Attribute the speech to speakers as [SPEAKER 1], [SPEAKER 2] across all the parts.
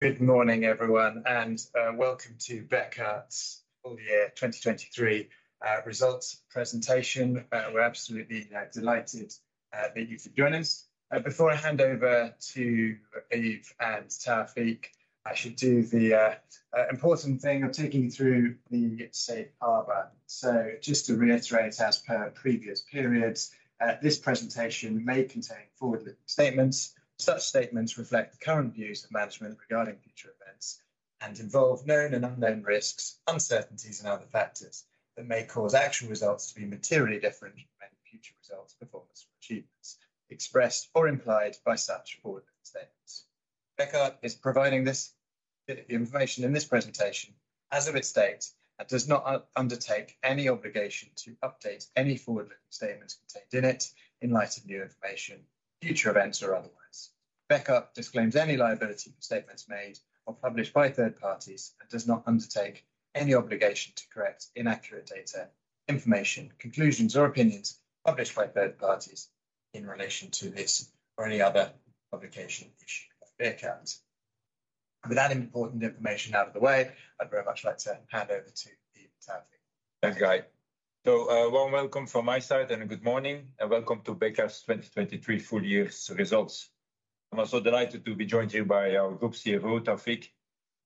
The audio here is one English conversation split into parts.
[SPEAKER 1] Good morning, everyone, and welcome to Bekaert's full year 2023 results presentation. We're absolutely delighted, thank you for joining us. Before I hand over to Yves and Taoufiq, I should do the important thing of taking you through the safe harbor. So just to reiterate, as per previous periods, this presentation may contain forward-looking statements. Such statements reflect the current views of management regarding future events and involve known and unknown risks, uncertainties, and other factors that may cause actual results to be materially different from any future results, performance, or achievements expressed or implied by such forward-looking statements. Bekaert is providing this information in this presentation as of its date and does not undertake any obligation to update any forward-looking statements contained in it in light of new information, future events, or otherwise. Bekaert disclaims any liability for statements made or published by third parties and does not undertake any obligation to correct inaccurate data, information, conclusions, or opinions published by third parties in relation to this or any other publication issued by Bekaert. With that important information out of the way, I'd very much like to hand over to Yves and Taoufiq.
[SPEAKER 2] Thanks, Guy. So, warm welcome from my side, and good morning, and welcome to Bekaert's 2023 full-year results. I'm also delighted to be joined here by our group CFO, Taoufiq,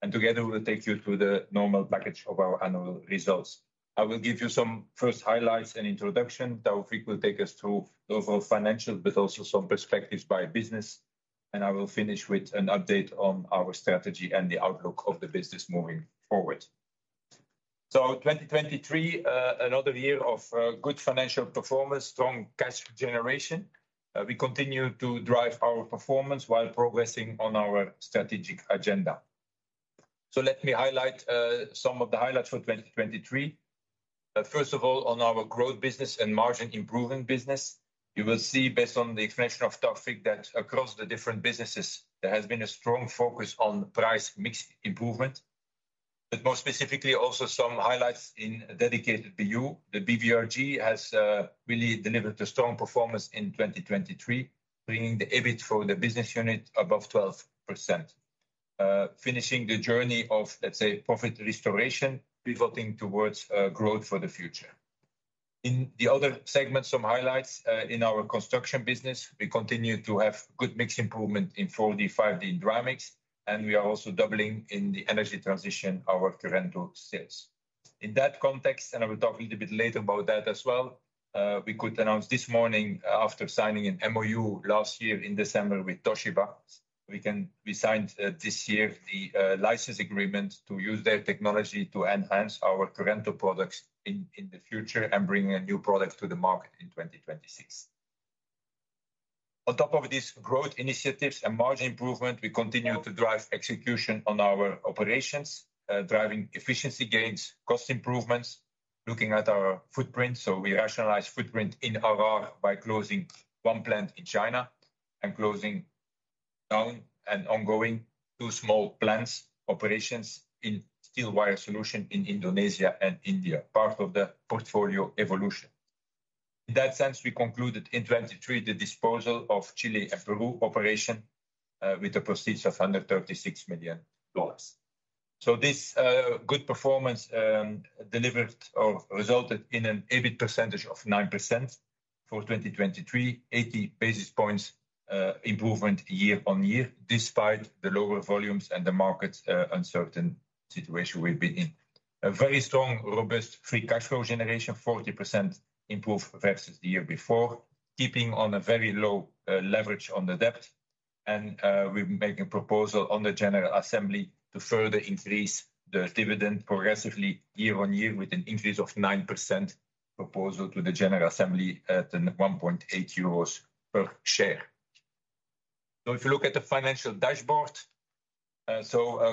[SPEAKER 2] and together we will take you through the normal package of our annual results. I will give you some first highlights and introduction. Taoufiq will take us through overall financial, but also some perspectives by business, and I will finish with an update on our strategy and the outlook of the business moving forward. So 2023, another year of, good financial performance, strong cash generation. We continue to drive our performance while progressing on our strategic agenda. So let me highlight, some of the highlights for 2023. First of all, on our growth business and margin improvement business, you will see, based on the explanation of Taoufiq, that across the different businesses, there has been a strong focus on price mix improvement, but more specifically, also some highlights in dedicated BU. The BBRG has really delivered a strong performance in 2023, bringing the EBIT for the business unit above 12%. Finishing the journey of, let's say, profit restoration, pivoting towards growth for the future. In the other segments, some highlights in our construction business, we continue to have good mix improvement in 4D, 5D Dramix, and we are also doubling in the energy transition, our Currento sales. In that context, and I will talk a little bit later about that as well, we could announce this morning, after signing an MoU last year in December with Toshiba, we signed this year the license agreement to use their technology to enhance our current products in the future and bring a new product to the market in 2026. On top of these growth initiatives and margin improvement, we continue to drive execution on our operations, driving efficiency gains, cost improvements, looking at our footprint. So we rationalize footprint in APAC by closing one plant in China and closing down an ongoing two small plants operations in Steel Wire Solutions in Indonesia and India, part of the portfolio evolution. In that sense, we concluded in 2023 the disposal of Chile and Peru operation with proceeds of under $36 million. So this good performance delivered or resulted in an EBIT percentage of 9% for 2023, 80 basis points improvement year-on-year, despite the lower volumes and the market uncertain situation we've been in. A very strong, robust free cash flow generation, 40% improvement versus the year before, keeping on a very low leverage on the debt. And we make a proposal on the General Assembly to further increase the dividend progressively year-on-year, with an increase of 9% proposal to the General Assembly at 1.8 euros per share. So if you look at the financial dashboard,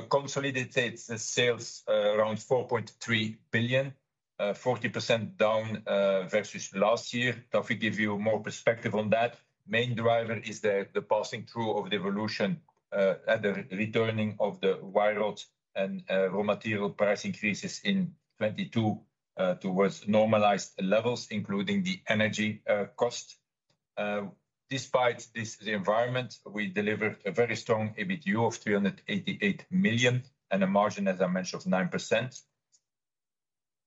[SPEAKER 2] consolidated sales around 4.3 billion, 14% down versus last year. Taoufiq give you more perspective on that. Main driver is the passing through of the evolution and the returning of the wire rod and raw material price increases in 2022 towards normalized levels, including the energy cost. Despite this, the environment, we delivered a very strong EBITDA of 388 million, and a margin, as I mentioned, of 9%.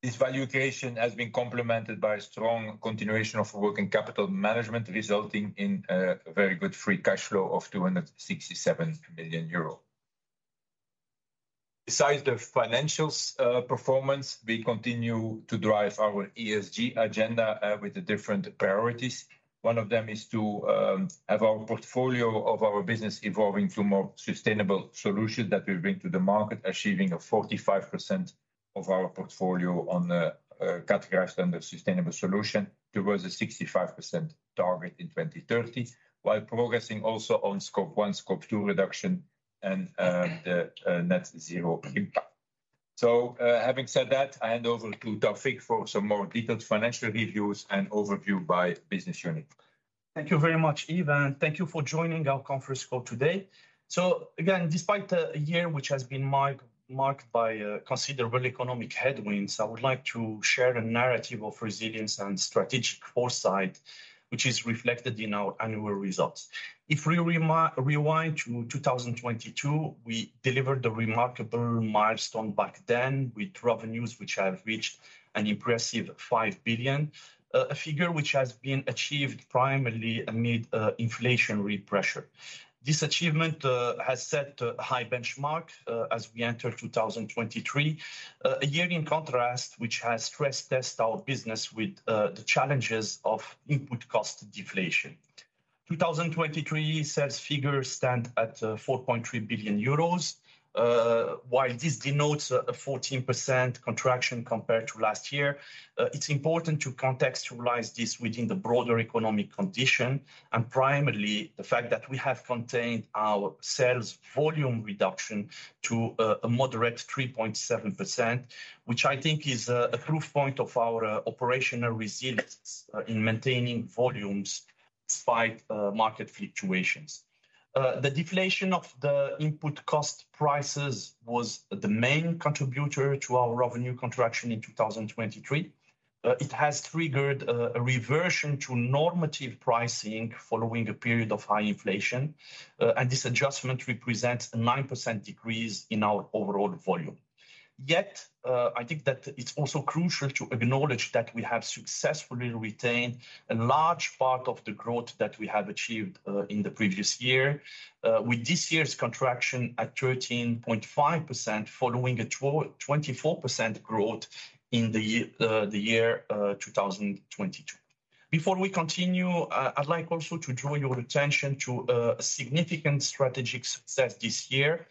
[SPEAKER 2] This valuation has been complemented by a strong continuation of working capital management, resulting in a very good free cash flow of 267 million euro. Besides the financials performance, we continue to drive our ESG agenda with the different priorities. One of them is to have our portfolio of our business evolving to more sustainable solutions that we bring to the market, achieving 45% of our portfolio on the categorized under sustainable solution towards a 65% target in 2030, while progressing also on Scope 1, Scope 2 reduction and the net zero impact. So, having said that, I hand over to Taoufiq for some more detailed financial reviews and overview by business unit.
[SPEAKER 3] ...Thank you very much, Yves, and thank you for joining our conference call today. So again, despite a year which has been marked by considerable economic headwinds, I would like to share a narrative of resilience and strategic foresight, which is reflected in our annual results. If we rewind to 2022, we delivered a remarkable milestone back then, with revenues which have reached an impressive 5 billion, a figure which has been achieved primarily amid inflationary pressure. This achievement has set a high benchmark as we enter 2023, a year in contrast, which has stress-tested our business with the challenges of input cost deflation. 2023 sales figures stand at 4.3 billion euros. While this denotes a 14% contraction compared to last year, it's important to contextualize this within the broader economic condition, and primarily the fact that we have contained our sales volume reduction to a moderate 3.7%, which I think is a proof point of our operational resilience in maintaining volumes despite market fluctuations. The deflation of the input cost prices was the main contributor to our revenue contraction in 2023. It has triggered a reversion to normative pricing following a period of high inflation, and this adjustment represents a 9% decrease in our overall volume. Yet, I think that it's also crucial to acknowledge that we have successfully retained a large part of the growth that we have achieved in the previous year, with this year's contraction at 13.5%, following a 24% growth in the year 2022. Before we continue, I'd like also to draw your attention to a significant strategic success this year,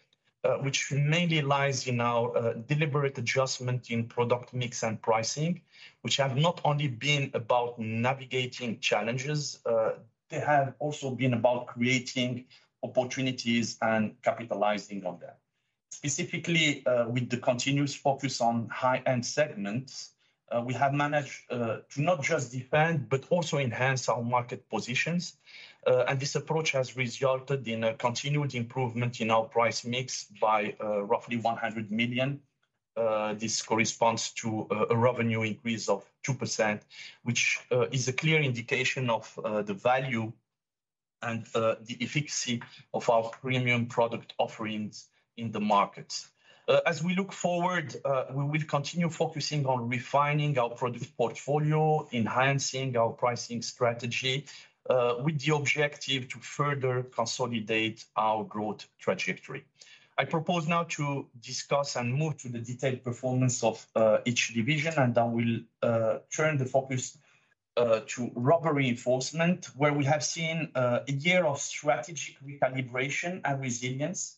[SPEAKER 3] which mainly lies in our deliberate adjustment in product mix and pricing, which have not only been about navigating challenges, they have also been about creating opportunities and capitalizing on them. Specifically, with the continuous focus on high-end segments, we have managed to not just defend, but also enhance our market positions, and this approach has resulted in a continued improvement in our price mix by roughly 100 million. This corresponds to a revenue increase of 2%, which is a clear indication of the value and the efficacy of our premium product offerings in the markets. As we look forward, we will continue focusing on refining our product portfolio, enhancing our pricing strategy, with the objective to further consolidate our growth trajectory. I propose now to discuss and move to the detailed performance of each division, and I will turn the focus to rubber reinforcement, where we have seen a year of strategic recalibration and resilience.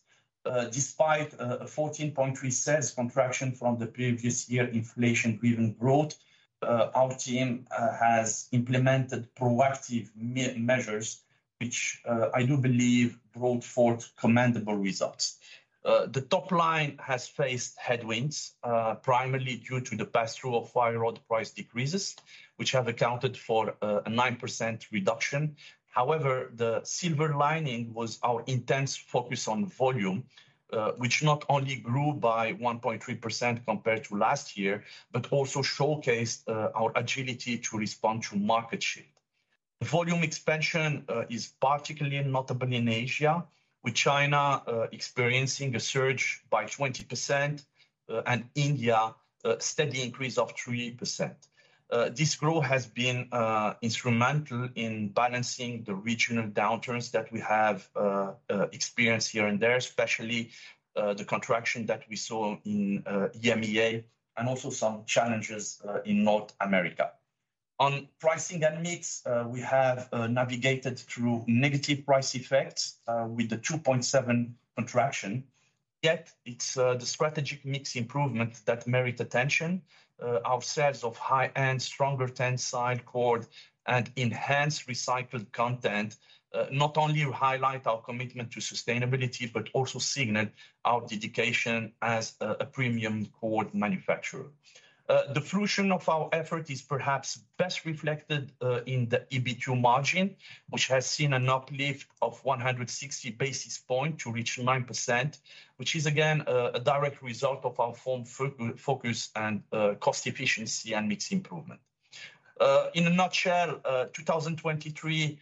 [SPEAKER 3] Despite a 14.3% sales contraction from the previous year inflation-driven growth, our team has implemented proactive measures, which I do believe brought forth commendable results. The top line has faced headwinds, primarily due to the pass-through of wire rod price decreases, which have accounted for a 9% reduction. However, the silver lining was our intense focus on volume, which not only grew by 1.3% compared to last year, but also showcased our agility to respond to market shift. The volume expansion is particularly notable in Asia, with China experiencing a surge by 20%, and India a steady increase of 3%. This growth has been instrumental in balancing the regional downturns that we have experienced here and there, especially the contraction that we saw in EMEA, and also some challenges in North America. On pricing and mix, we have navigated through negative price effects with a 2.7 contraction. Yet it's the strategic mix improvement that merit attention. Our sales of high-end, stronger tensile cord, and enhanced recycled content not only highlight our commitment to sustainability, but also signal our dedication as a premium cord manufacturer. The fruition of our effort is perhaps best reflected in the EBITDA margin, which has seen an uplift of 160 basis points to reach 9%, which is again a direct result of our firm focus and cost efficiency and mix improvement. In a nutshell, 2023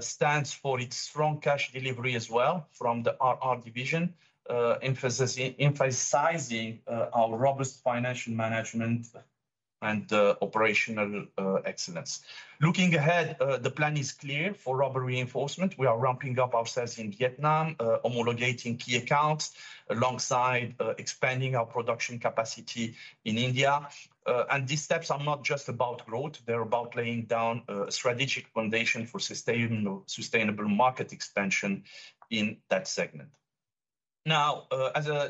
[SPEAKER 3] stands for its strong cash delivery as well from the RR division, emphasizing our robust financial management and operational excellence. Looking ahead, the plan is clear for rubber reinforcement. We are ramping up our sales in Vietnam, homologating key accounts, alongside expanding our production capacity in India. And these steps are not just about growth, they're about laying down a strategic foundation for sustainable market expansion in that segment.... Now,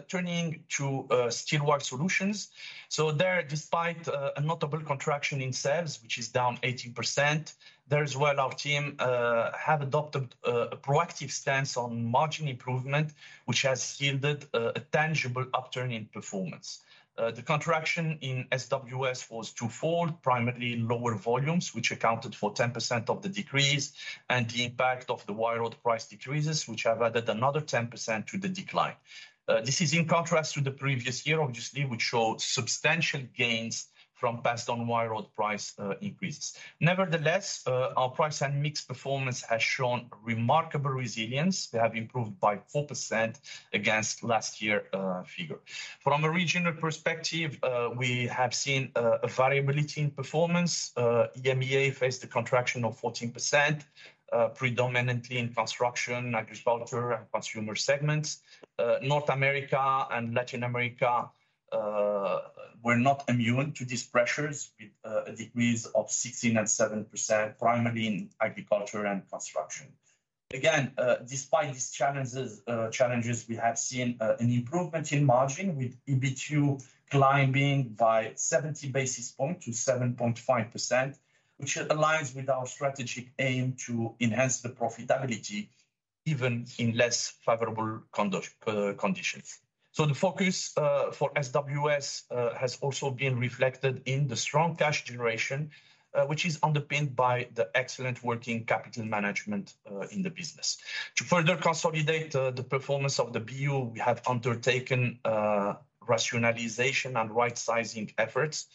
[SPEAKER 3] turning to Steel Wire Solutions. So there, despite a notable contraction in sales, which is down 18%, there as well our team have adopted a proactive stance on margin improvement, which has yielded a tangible upturn in performance. The contraction in SWS was twofold, primarily in lower volumes, which accounted for 10% of the decrease, and the impact of the wire rod price decreases, which have added another 10% to the decline. This is in contrast to the previous year, obviously, which showed substantial gains from passed-on wire rod price increases. Nevertheless, our price and mix performance has shown remarkable resilience. They have improved by 4% against last year figure. From a regional perspective, we have seen a variability in performance. EMEA faced a contraction of 14%, predominantly in construction, agriculture, and consumer segments. North America and Latin America were not immune to these pressures, with a decrease of 16% and 7%, primarily in agriculture and construction. Again, despite these challenges, we have seen an improvement in margin, with EBITDA climbing by 70 basis points to 7.5%, which aligns with our strategic aim to enhance the profitability even in less favorable conditions. The focus for SWS has also been reflected in the strong cash generation, which is underpinned by the excellent working capital management in the business. To further consolidate the performance of the BU, we have undertaken rationalization and rightsizing efforts.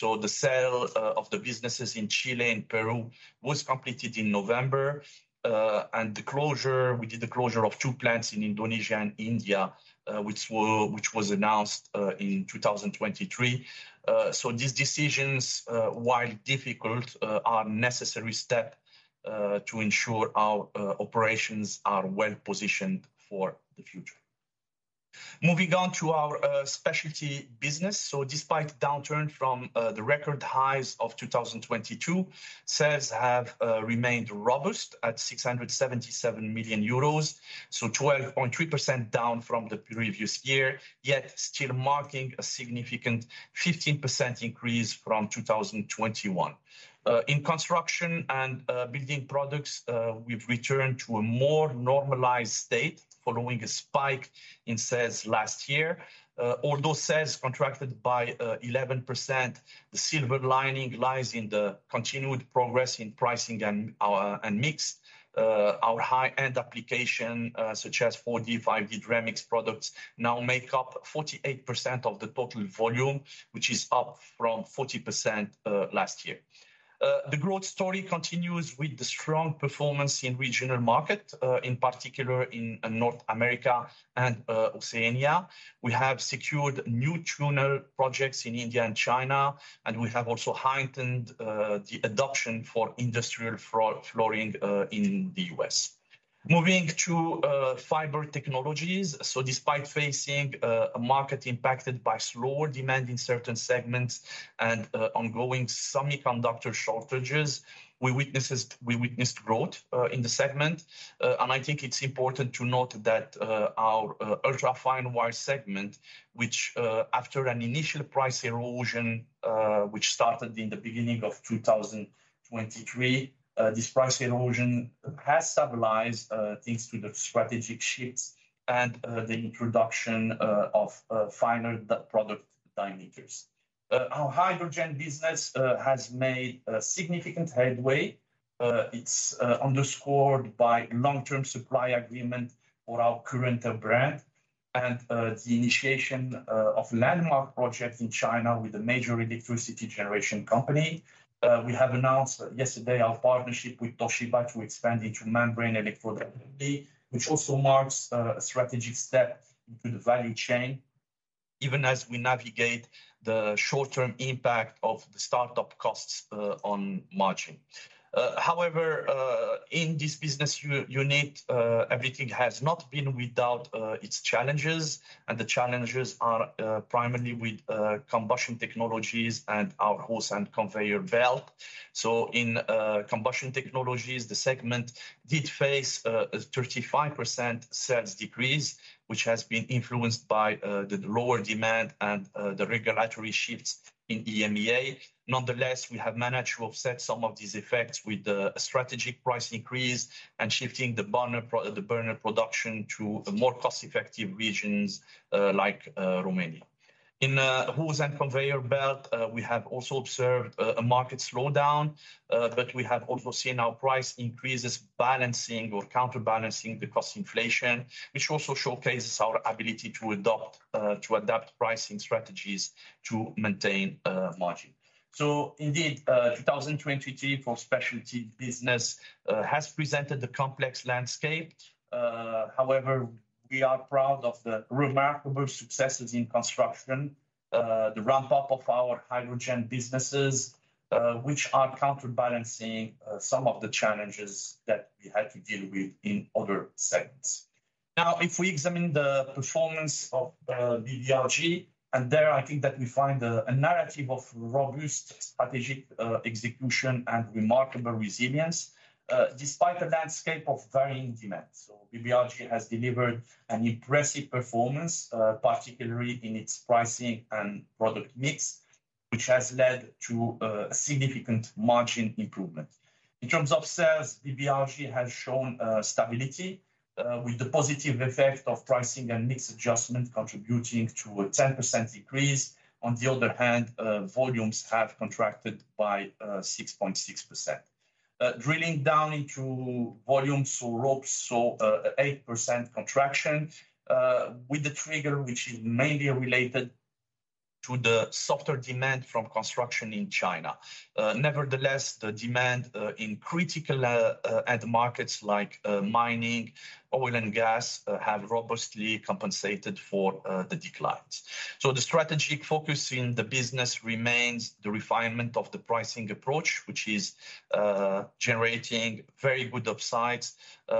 [SPEAKER 3] The sale of the businesses in Chile and Peru was completed in November. And the closure, we did the closure of two plants in Indonesia and India, which was announced in 2023. So these decisions, while difficult, are necessary step to ensure our operations are well positioned for the future. Moving on to our Specialty business. So despite downturn from the record highs of 2022, sales have remained robust at 677 million euros, so 12.3% down from the previous year, yet still marking a significant 15% increase from 2021. In construction and building products, we've returned to a more normalized state following a spike in sales last year. Although sales contracted by 11%, the silver lining lies in the continued progress in pricing and our... and mix. Our high-end application, such as 4D, 5D Dramix products, now make up 48% of the total volume, which is up from 40% last year. The growth story continues with the strong performance in regional market, in particular in North America and Oceania. We have secured new tunnel projects in India and China, and we have also heightened the adoption for industrial floor, flooring in the U.S. Moving to Fiber Technologies. So despite facing a market impacted by slower demand in certain segments and ongoing semiconductor shortages, we witnessed growth in the segment. And I think it's important to note that, our ultra-fine wire segment, which, after an initial price erosion, which started in the beginning of 2023, this price erosion has stabilized, thanks to the strategic shifts and, the introduction, of, finer product diameters. Our hydrogen business has made significant headway. It's underscored by long-term supply agreement for our Currento brand, and, the initiation, of landmark project in China with a major electricity generation company. We have announced yesterday our partnership with Toshiba to expand into membrane electrode, which also marks, a strategic step into the value chain, even as we navigate the short-term impact of the startup costs, on margin. However, in this business unit, everything has not been without its challenges, and the challenges are primarily with combustion technologies and our hose and conveyor belt. So in combustion technologies, the segment did face a 35% sales decrease, which has been influenced by the lower demand and the regulatory shifts in EMEA. Nonetheless, we have managed to offset some of these effects with a strategic price increase and shifting the burner production to more cost-effective regions, like Romania. In hose and conveyor belt, we have also observed a market slowdown, but we have also seen our price increases balancing or counterbalancing the cost inflation, which also showcases our ability to adapt pricing strategies to maintain margin. So indeed, 2023 for Specialty business has presented a complex landscape. However, we are proud of the remarkable successes in construction, the ramp-up of our hydrogen businesses, which are counterbalancing some of the challenges that we had to deal with in other segments. Now, if we examine the performance of BBRG, and there I think that we find a narrative of robust strategic execution and remarkable resilience despite a landscape of varying demands. So BBRG has delivered an impressive performance, particularly in its pricing and product mix, which has led to a significant margin improvement. In terms of sales, BBRG has shown stability with the positive effect of pricing and mix adjustment contributing to a 10% decrease. On the other hand, volumes have contracted by 6.6%. Drilling down into volumes, so ropes saw 8% contraction with the trigger, which is mainly related to the softer demand from construction in China. Nevertheless, the demand in critical end markets like mining, oil and gas have robustly compensated for the declines. So the strategic focus in the business remains the refinement of the pricing approach, which is generating very good upsides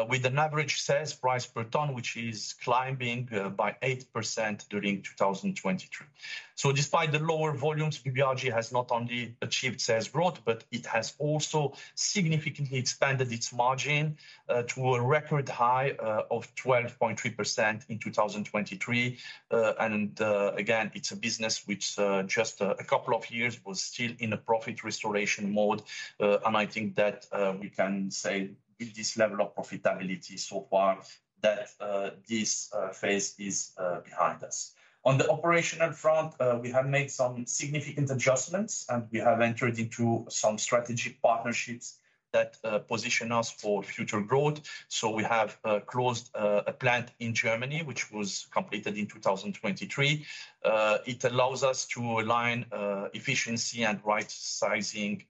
[SPEAKER 3] with an average sales price per ton, which is climbing by 8% during 2023. So despite the lower volumes, BBRG has not only achieved sales growth, but it has also significantly expanded its margin to a record high of 12.3% in 2023. And again, it's a business which just a couple of years was still in a profit restoration mode. And I think that we can say with this level of profitability so far that this phase is behind us. On the operational front, we have made some significant adjustments, and we have entered into some strategic partnerships that position us for future growth. So we have closed a plant in Germany, which was completed in 2023. It allows us to align efficiency and right-sizing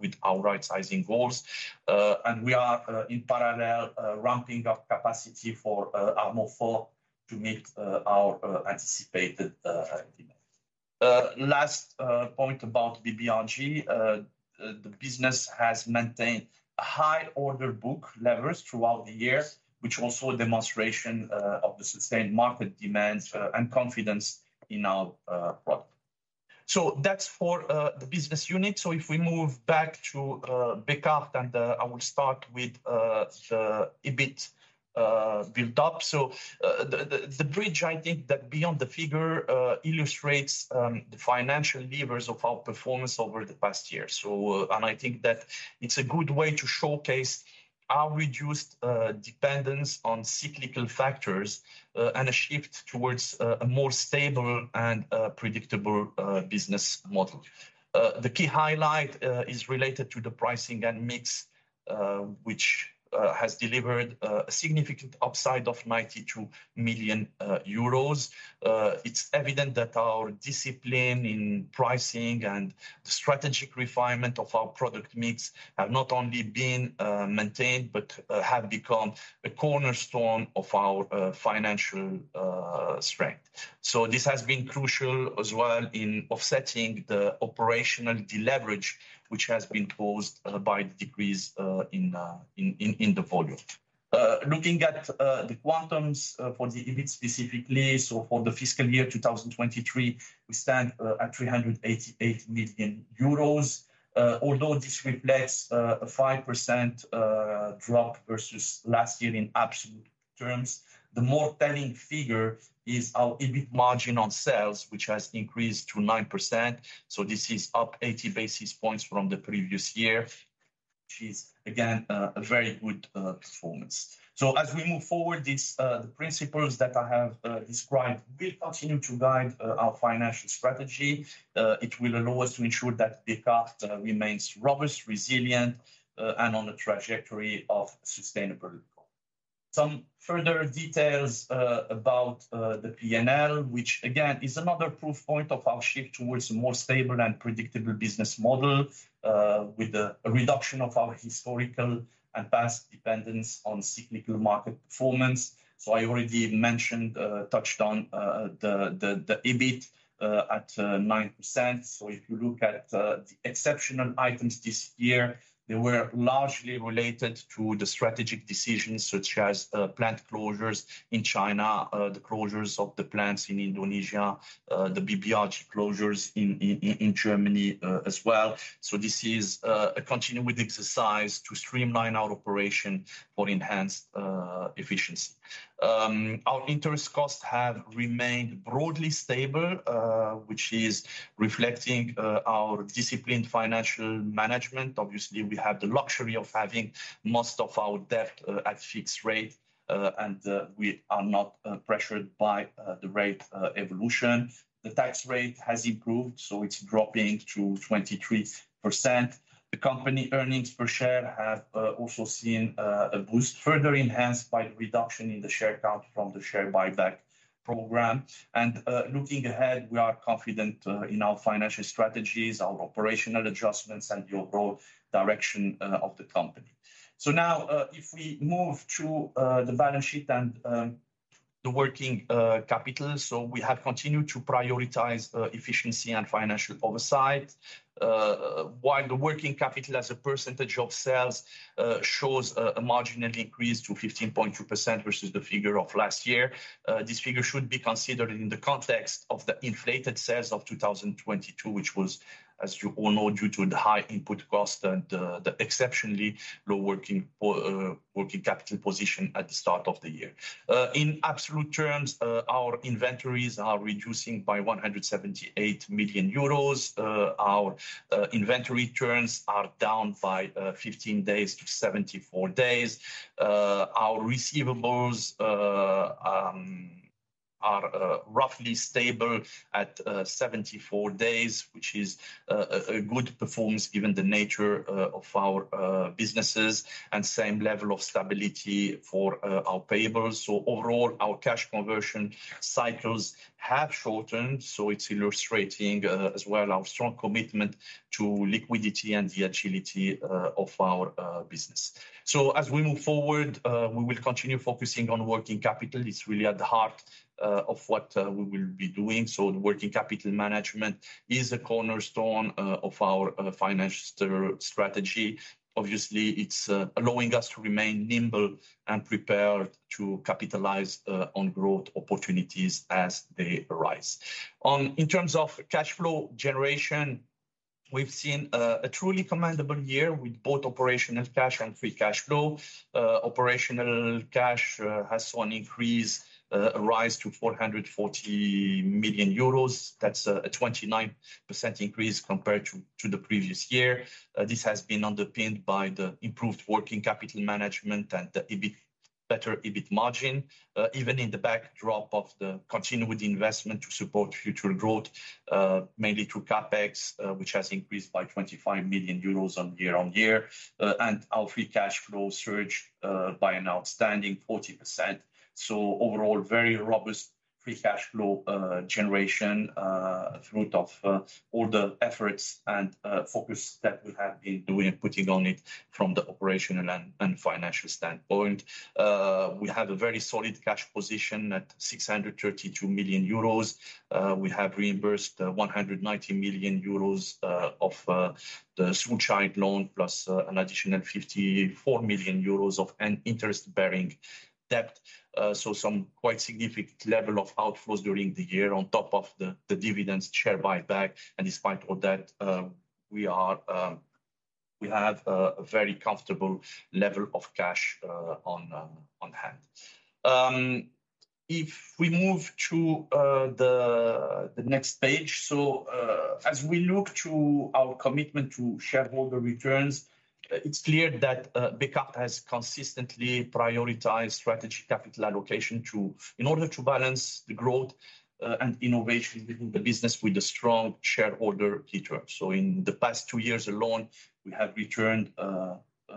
[SPEAKER 3] with our right-sizing goals. And we are in parallel ramping up capacity for Murfor to meet our anticipated demand. Last point about BBRG: the business has maintained high order book levels throughout the year, which also a demonstration of the sustained market demands and confidence in our product. That's for the business unit. If we move back to Bekaert and I will start with the EBIT build-up. The bridge, I think that beyond the figure illustrates the financial levers of our performance over the past year. I think that it's a good way to showcase our reduced dependence on cyclical factors and a shift towards a more stable and predictable business model. The key highlight is related to the pricing and mix which has delivered a significant upside of 92 million euros. It's evident that our discipline in pricing and the strategic refinement of our product mix have not only been maintained, but have become a cornerstone of our financial strength. So this has been crucial as well in offsetting the operational deleverage, which has been caused by the decrease in the volume. Looking at the quantums for the EBIT specifically, so for the fiscal year 2023, we stand at 388 million euros. Although this reflects a 5% drop versus last year in absolute terms, the more telling figure is our EBIT margin on sales, which has increased to 9%. So this is up 80 basis points from the previous year, which is, again, a very good performance. So as we move forward, these principles that I have described will continue to guide our financial strategy. It will allow us to ensure that Bekaert remains robust, resilient, and on a trajectory of sustainable growth. Some further details about the P&L, which again, is another proof point of our shift towards a more stable and predictable business model, with a reduction of our historical and past dependence on cyclical market performance. So I already mentioned, touched on, the EBIT at 9%. So if you look at the exceptional items this year, they were largely related to the strategic decisions, such as plant closures in China, the closures of the plants in Indonesia, the BBRG closures in Germany, as well. This is a continuing exercise to streamline our operation for enhanced efficiency. Our interest costs have remained broadly stable, which is reflecting our disciplined financial management. Obviously, we have the luxury of having most of our debt at fixed rate, and we are not pressured by the rate evolution. The tax rate has improved, so it's dropping to 23%. The company earnings per share have also seen a boost, further enhanced by the reduction in the share count from the share buyback program. Looking ahead, we are confident in our financial strategies, our operational adjustments, and the overall direction of the company. Now, if we move to the balance sheet and the working capital, so we have continued to prioritize efficiency and financial oversight. While the working capital as a percentage of sales shows a marginal increase to 15.2%, versus the figure of last year, this figure should be considered in the context of the inflated sales of 2022, which was, as you all know, due to the high input costs and the exceptionally low working capital position at the start of the year. In absolute terms, our inventories are reducing by 178 million euros. Our inventory returns are down by 15 days to 74 days. Our receivables are roughly stable at 74 days, which is a good performance given the nature of our businesses, and same level of stability for our payables. So overall, our cash conversion cycles have shortened, so it's illustrating, as well our strong commitment to liquidity and the agility, of our, business. So as we move forward, we will continue focusing on working capital. It's really at the heart, of what, we will be doing, so working capital management is a cornerstone, of our, financial strategy. Obviously, it's, allowing us to remain nimble and prepared to capitalize, on growth opportunities as they arise. In terms of cash flow generation, we've seen, a truly commendable year with both operational cash and free cash flow. Operational cash, has saw an increase, a rise to 440 million euros. That's a, a 29% increase compared to, the previous year. This has been underpinned by the improved working capital management and the EBIT, better EBIT margin, even in the backdrop of the continued investment to support future growth, mainly through CapEx, which has increased by 25 million euros year-on-year. And our free cash flow surged by an outstanding 40%. So overall, very robust free cash flow generation, fruit of all the efforts and focus that we have been doing and putting on it from the operational and financial standpoint. We have a very solid cash position at 632 million euros. We have reimbursed 190 million euros of the Schuldschein loan, plus an additional 54 million euros of an interest-bearing debt. So, some quite significant level of outflows during the year on top of the dividends share buyback. And despite all that, we have a very comfortable level of cash on hand. If we move to the next page. So, as we look to our commitment to shareholder returns, it's clear that Bekaert has consistently prioritized strategic capital allocation in order to balance the growth and innovation within the business with a strong shareholder return. So in the past two years alone, we have returned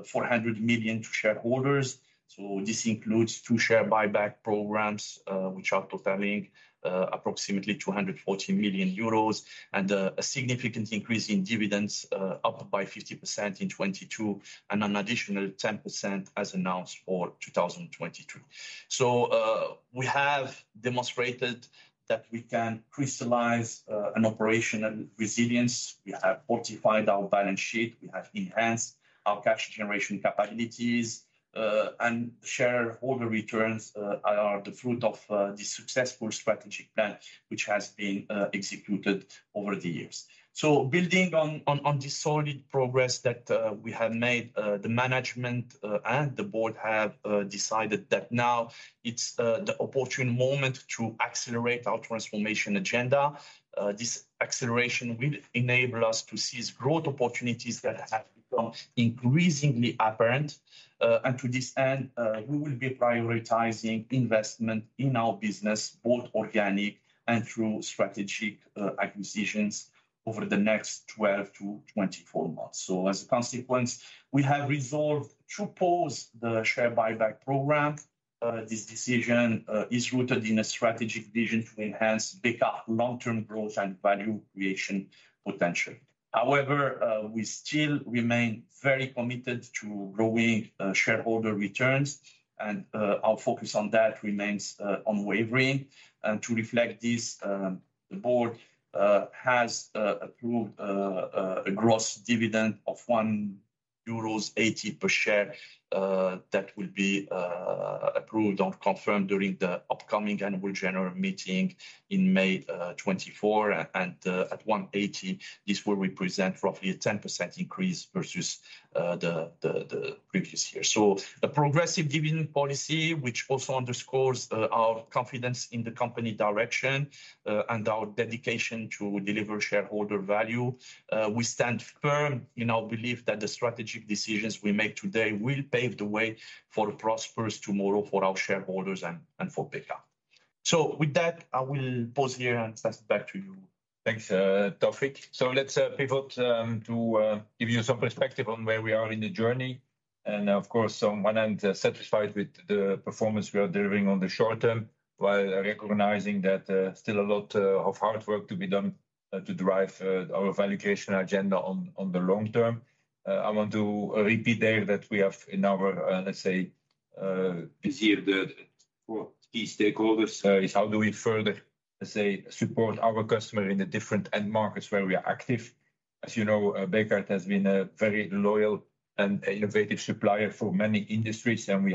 [SPEAKER 3] 400 million to shareholders. So this includes two share buyback programs, which are totaling approximately 240 million euros, and a significant increase in dividends, up by 50% in 2022, and an additional 10% as announced for 2022. So we have demonstrated that we can crystallize an operational resilience. We have fortified our balance sheet. We have enhanced our cash generation capabilities. And shareholder returns are the fruit of the successful strategic plan, which has been executed over the years. So building on this solid progress that we have made, the management and the board have decided that now it's the opportune moment to accelerate our transformation agenda. This acceleration will enable us to seize growth opportunities that have become increasingly apparent. And to this end, we will be prioritizing investment in our business, both organic and through strategic acquisitions over the next 12-24 months. So as a consequence, we have resolved to pause the share buyback program. This decision is rooted in a strategic vision to enhance Bekaert long-term growth and value creation potential. However, we still remain very committed to growing shareholder returns, and our focus on that remains unwavering. And to reflect this, the board has approved a gross dividend of 1.80 euros per share that will be approved or confirmed during the upcoming annual general meeting in May 2024. And at 1.80, this will represent roughly a 10% increase versus the previous year. So a progressive dividend policy, which also underscores, our confidence in the company direction, and our dedication to deliver shareholder value. We stand firm in our belief that the strategic decisions we make today will pave the way for a prosperous tomorrow for our shareholders and, and for Bekaert. So with that, I will pause here and pass it back to you.
[SPEAKER 2] Thanks, Taoufiq. So let's pivot to give you some perspective on where we are in the journey. And of course, on one hand, satisfied with the performance we are delivering on the short term, while recognizing that still a lot of hard work to be done to drive our valuation agenda on the long term. I want to repeat there that we have in our, let's say, this year, the for key stakeholders is how do we further, let's say, support our customer in the different end markets where we are active? As you know, Bekaert has been a very loyal and innovative supplier for many industries, and we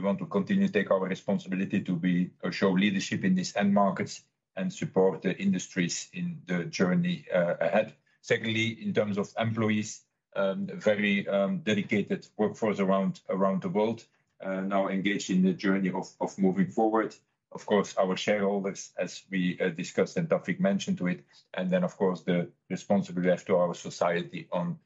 [SPEAKER 2] want to continue to take our responsibility to be, show leadership in these end markets and support the industries in the journey ahead. Secondly, in terms of employees, very dedicated workforce around the world now engaged in the journey of moving forward. Of course, our shareholders, as we discussed, and Taoufiq mentioned to it, and then, of course, the responsibility we have to our society on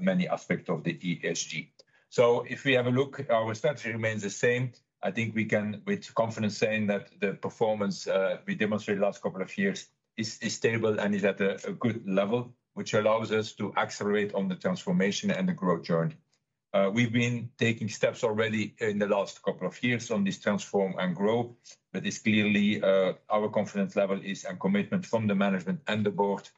[SPEAKER 2] many aspects of the ESG. So if we have a look, our strategy remains the same. I think we can with confidence saying that the performance we demonstrated last couple of years is stable and is at a good level, which allows us to accelerate on the transformation and the growth journey. We've been taking steps already in the last couple of years on this transform and growth, but it's clearly our confidence level is a commitment from the management and the board,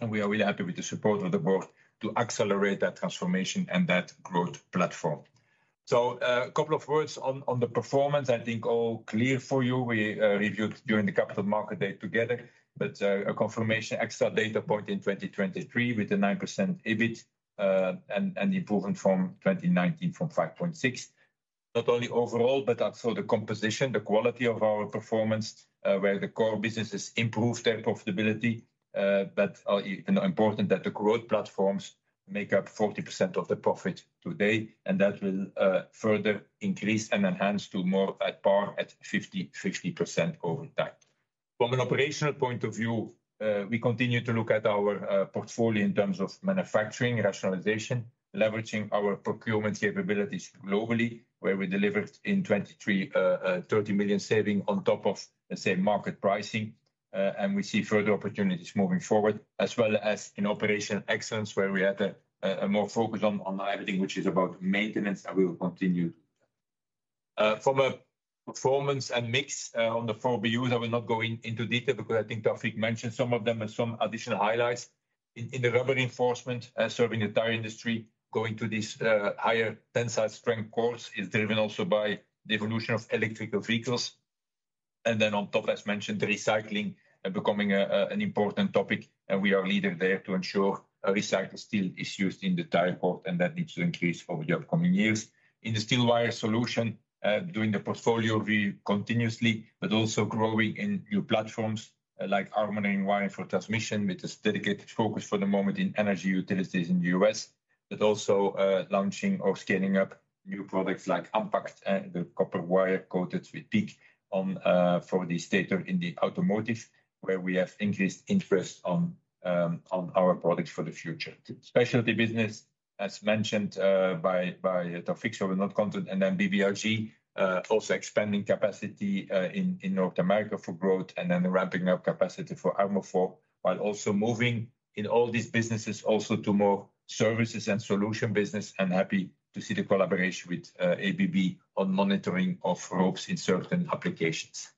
[SPEAKER 2] and we are really happy with the support of the board to accelerate that transformation and that growth platform. So, a couple of words on the performance. I think all clear for you. We reviewed during the Capital Markets Day together, but a confirmation extra data point in 2023 with a 9% EBIT and improvement from 2019, from 5.6. Not only overall, but also the composition, the quality of our performance, where the core businesses improve their profitability, but, and important that the growth platforms make up 40% of the profit today, and that will further increase and enhance to more at par at 50%, 60% over time. From an operational point of view, we continue to look at our portfolio in terms of manufacturing, rationalization, leveraging our procurement capabilities globally, where we delivered in 2023 30 million saving on top of, let's say, market pricing. And we see further opportunities moving forward, as well as in operational excellence, where we had a more focus on everything which is about maintenance, and we will continue. From a performance and mix, on the four BUs, I will not go into detail because I think Taoufiq mentioned some of them and some additional highlights. In the rubber reinforcement, serving the tire industry, going to this higher tensile strength cord is driven also by the evolution of electric vehicles. And then on top, as mentioned, recycling becoming an important topic, and we are a leader there to ensure recycled steel is used in the tire cord, and that needs to increase over the upcoming years. In the Steel Wire Solutions, doing the portfolio review continuously, but also growing in new platforms like armoring wire for transmission, which is dedicated focus for the moment in energy utilities in the U.S. But also, launching or scaling up new products like asphalt and the copper wire coated with PEEK on, for the stator in the automotive, where we have increased interest on, on our products for the future. Specialty business, as mentioned, by, by Taoufiq, so we're not content. And then BBRG, also expanding capacity, in, in North America for growth and then ramping up capacity for Armofor, while also moving in all these businesses also to more services and solution business, and happy to see the collaboration with, ABB on monitoring of ropes in certain applications.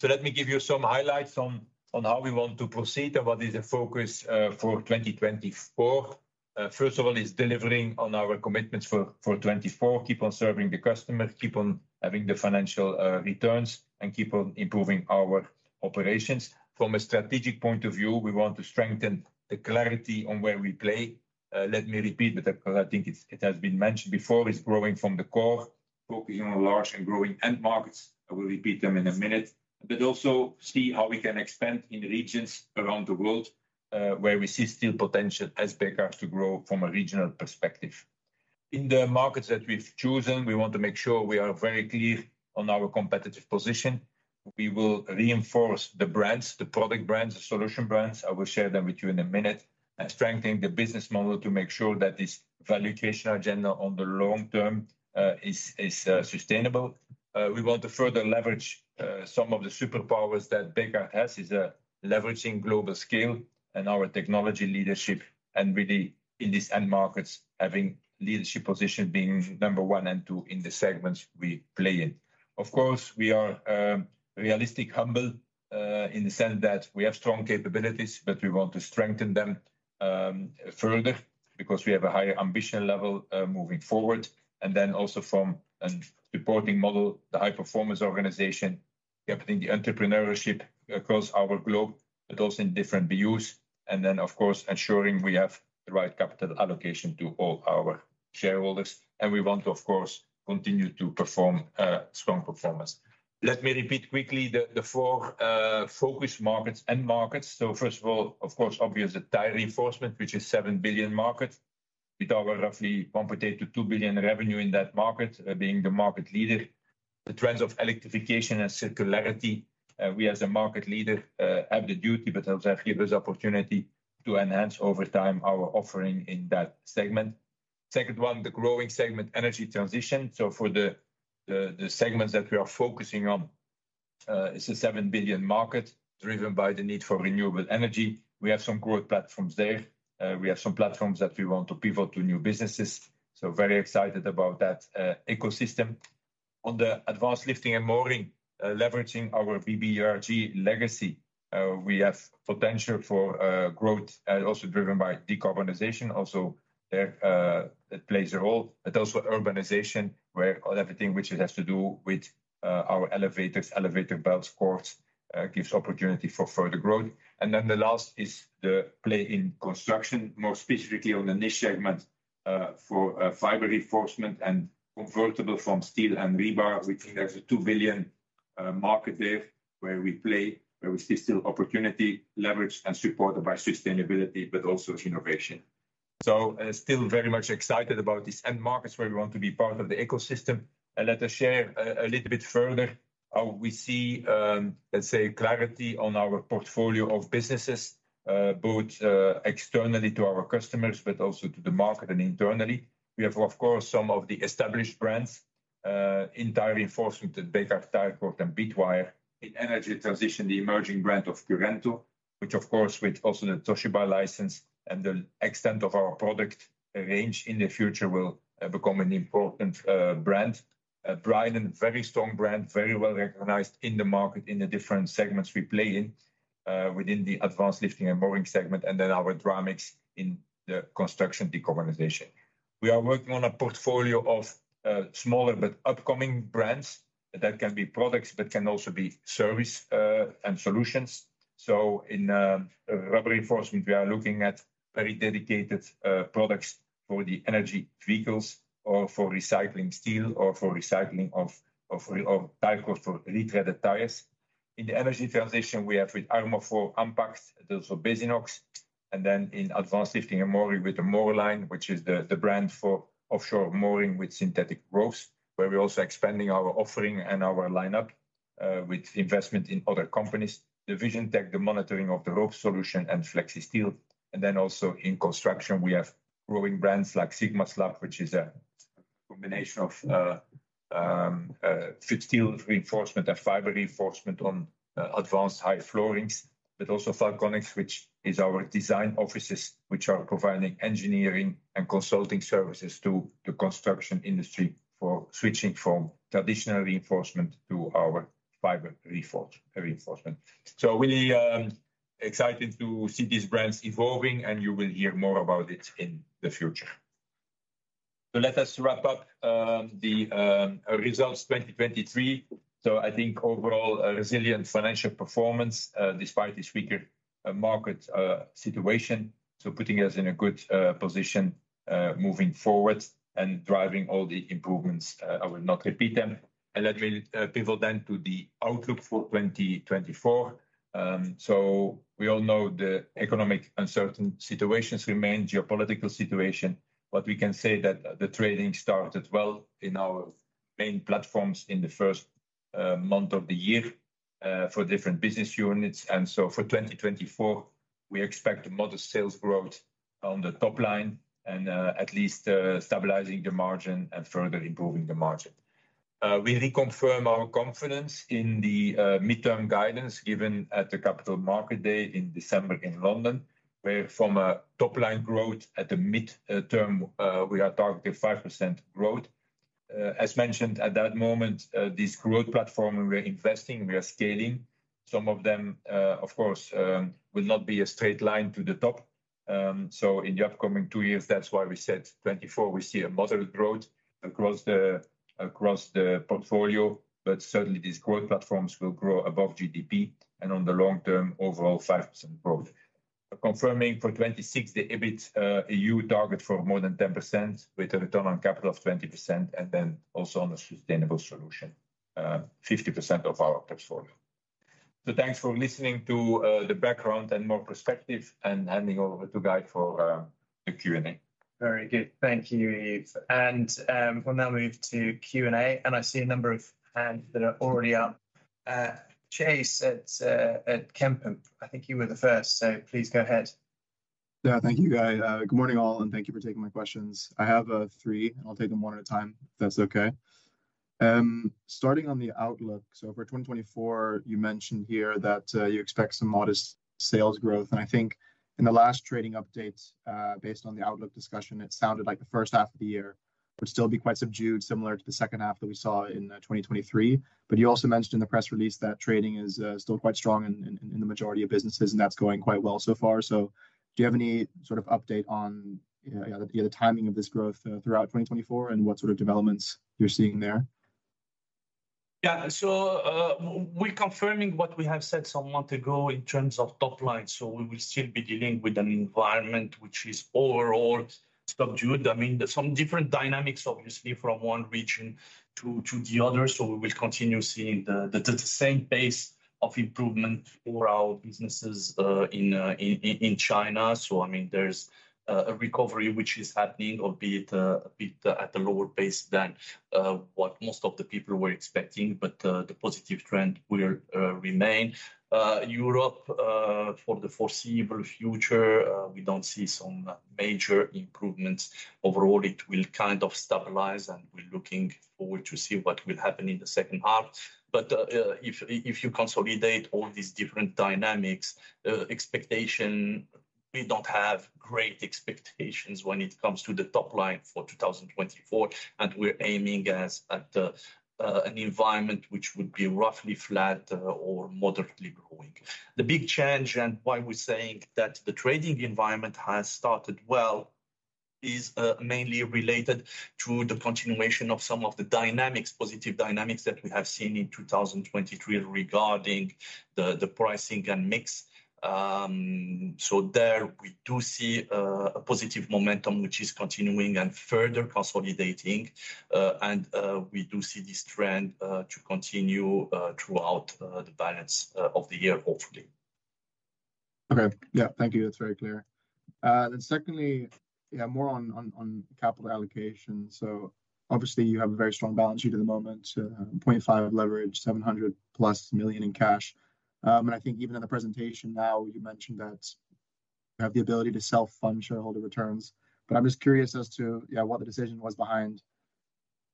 [SPEAKER 2] So let me give you some highlights on, on how we want to proceed and what is the focus, for 2024. First of all, is delivering on our commitments for, for 2024. Keep on serving the customers, keep on having the financial returns, and keep on improving our operations. From a strategic point of view, we want to strengthen the clarity on where we play. Let me repeat, because I think it has been mentioned before, is growing from the core, focusing on large and growing end markets. I will repeat them in a minute, but also see how we can expand in regions around the world, where we see still potential as backups to grow from a regional perspective. In the markets that we've chosen, we want to make sure we are very clear on our competitive position. We will reinforce the brands, the product brands, the solution brands. I will share them with you in a minute, and strengthen the business model to make sure that this valuation agenda on the long term is sustainable. We want to further leverage some of the superpowers that Bekaert has, leveraging global scale and our technology leadership, and really in this end markets, having leadership position, being number one and two in the segments we play in. Of course, we are realistic, humble in the sense that we have strong capabilities, but we want to strengthen them further because we have a higher ambition level moving forward. And then also from a reporting model, the high performance organization, we have the entrepreneurship across our globe, but also in different BUs. Then, of course, ensuring we have the right capital allocation to all our shareholders. We want to, of course, continue to perform, strong performance. Let me repeat quickly the four focus markets. So first of all, of course, obvious, the tire reinforcement, which is 7 billion market. We talk about roughly 1.8 billion-2 billion revenue in that market, being the market leader. The trends of electrification and circularity, we, as a market leader, have the duty, but also have this opportunity to enhance over time our offering in that segment. Second one, the growing segment, energy transition. So for the segments that we are focusing on, it's a 7 billion market driven by the need for renewable energy. We have some growth platforms there. We have some platforms that we want to pivot to new businesses, so very excited about that, ecosystem on the advanced lifting and mooring, leveraging our BBRG legacy, we have potential for growth, also driven by decarbonization. Also, there it plays a role, but also urbanization, where everything which it has to do with our elevators, elevator belt cords, gives opportunity for further growth. And then the last is the play in construction, more specifically on the niche segment for fiber reinforcement and conversion from steel and rebar. We think there's a 2 billion market there where we play, where we see still opportunity, leverage, and supported by sustainability, but also innovation. So, still very much excited about these end markets, where we want to be part of the ecosystem. Let us share a little bit further. We see, let's say, clarity on our portfolio of businesses, both externally to our customers, but also to the market and internally. We have, of course, some of the established brands in tire reinforcement, the Bekaert tire cord and bead wire. In energy transition, the emerging brand of Currento, which of course, with also the Toshiba license and the extent of our product range in the future, will become an important brand. Bridon, very strong brand, very well recognized in the market, in the different segments we play in, within the advanced lifting and mooring segment, and then our Dramix in the construction decarbonization. We are working on a portfolio of smaller but upcoming brands. That can be products, but can also be service and solutions. So in rubber reinforcement, we are looking at very dedicated products for the energy vehicles or for recycling steel or for recycling of tire cord for retreaded tires. In the energy transition we have with Armofor for asphalt, those for Basinox. And then in advanced lifting and mooring with the MoorLine, which is the brand for offshore mooring with synthetic ropes, where we're also expanding our offering and our lineup with investment in other companies. The Vision, the monitoring of the rope solution and FlexSteel. And then also in construction, we have growing brands like SigmaSlab, which is a combination of steel reinforcement and fiber reinforcement on advanced high floorings. But also Falconix, which is our design offices, which are providing engineering and consulting services to the construction industry for switching from traditional reinforcement to our fiber reinforcement. So really excited to see these brands evolving, and you will hear more about it in the future. So let us wrap up the results 2023. So I think overall, a resilient financial performance despite the weaker market situation. So putting us in a good position moving forward and driving all the improvements, I will not repeat them. And let me pivot then to the outlook for 2024. So we all know the economic uncertain situations remain, geopolitical situation, but we can say that the trading started well in our main platforms in the first month of the year for different business units. For 2024, we expect modest sales growth on the top line and at least stabilizing the margin and further improving the margin. We reconfirm our confidence in the midterm guidance given at the Capital Market Day in December in London, where from a top-line growth at the mid-term, we are targeting 5% growth. As mentioned at that moment, this growth platform, we are investing, we are scaling. Some of them, of course, will not be a straight line to the top. So in the upcoming two years, that's why we said 2024, we see a moderate growth across the portfolio, but certainly, these growth platforms will grow above GDP and on the long term, overall, 5% growth. Confirming for 2026, the EBITDA target for more than 10%, with a return on capital of 20%, and then also on a sustainable solution, 50% of our portfolio. Thanks for listening to the background and more perspective, and handing over to Guy for the Q&A.
[SPEAKER 1] Very good. Thank you, Yves. And we'll now move to Q&A, and I see a number of hands that are already up. Chase at Kempen, I think you were the first, so please go ahead.
[SPEAKER 4] Yeah, thank you, Guy. Good morning, all, and thank you for taking my questions. I have three, and I'll take them one at a time, if that's okay. Starting on the outlook, so for 2024, you mentioned here that you expect some modest sales growth. I think in the last trading update, based on the outlook discussion, it sounded like the first half of the year would still be quite subdued, similar to the second half that we saw in 2023. You also mentioned in the press release that trading is still quite strong in the majority of businesses, and that's going quite well so far. Do you have any sort of update on yeah, the timing of this growth throughout 2024, and what sort of developments you're seeing there?
[SPEAKER 3] Yeah. So we're confirming what we have said some month ago in terms of top line. So we will still be dealing with an environment which is overall subdued. I mean, there's some different dynamics, obviously, from one region to the other. So we will continue seeing the same pace of improvement for our businesses in China. So I mean, there's a recovery which is happening, albeit a bit at a lower pace than what most of the people were expecting, but the positive trend will remain. Europe, for the foreseeable future, we don't see some major improvements. Overall, it will kind of stabilize, and we're looking forward to see what will happen in the second half. But if you consolidate all these different dynamics, expectation.... we don't have great expectations when it comes to the top line for 2024, and we're aiming at an environment which would be roughly flat or moderately growing. The big change, and why we're saying that the trading environment has started well, is mainly related to the continuation of some of the dynamics, positive dynamics that we have seen in 2023 regarding the pricing and mix. So there we do see a positive momentum, which is continuing and further consolidating. And we do see this trend to continue throughout the balance of the year, hopefully.
[SPEAKER 4] Okay. Yeah, thank you. That's very clear. Then secondly, yeah, more on capital allocation. So obviously, you have a very strong balance sheet at the moment, 0.5 leverage, 700+ million in cash. And I think even in the presentation now, you mentioned that you have the ability to self-fund shareholder returns. But I'm just curious as to, yeah, what the decision was behind,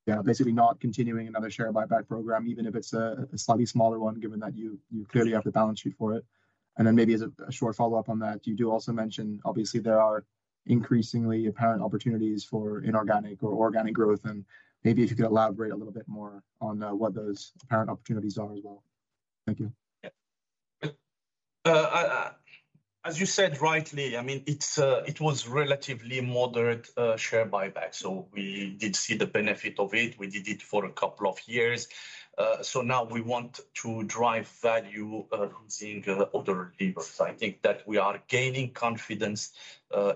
[SPEAKER 4] yeah, basically not continuing another share buyback program, even if it's a slightly smaller one, given that you clearly have the balance sheet for it. And then maybe as a short follow-up on that, you do also mention, obviously, there are increasingly apparent opportunities for inorganic or organic growth. And maybe if you could elaborate a little bit more on what those apparent opportunities are as well. Thank you.
[SPEAKER 3] Yeah. As you said, rightly, I mean, it's... it was relatively moderate share buyback, so we did see the benefit of it. We did it for a couple of years. So now we want to drive value using other levers. I think that we are gaining confidence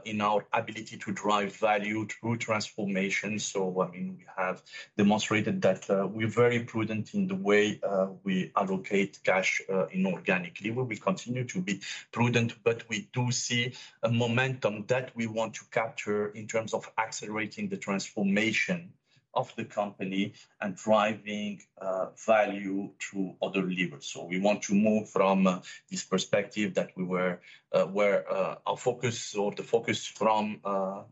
[SPEAKER 3] in our ability to drive value through transformation. So, I mean, we have demonstrated that we're very prudent in the way we allocate cash inorganically. We continue to be prudent, but we do see a momentum that we want to capture in terms of accelerating the transformation of the company and driving value through other levers. So we want to move from this perspective that we were where our focus or the focus from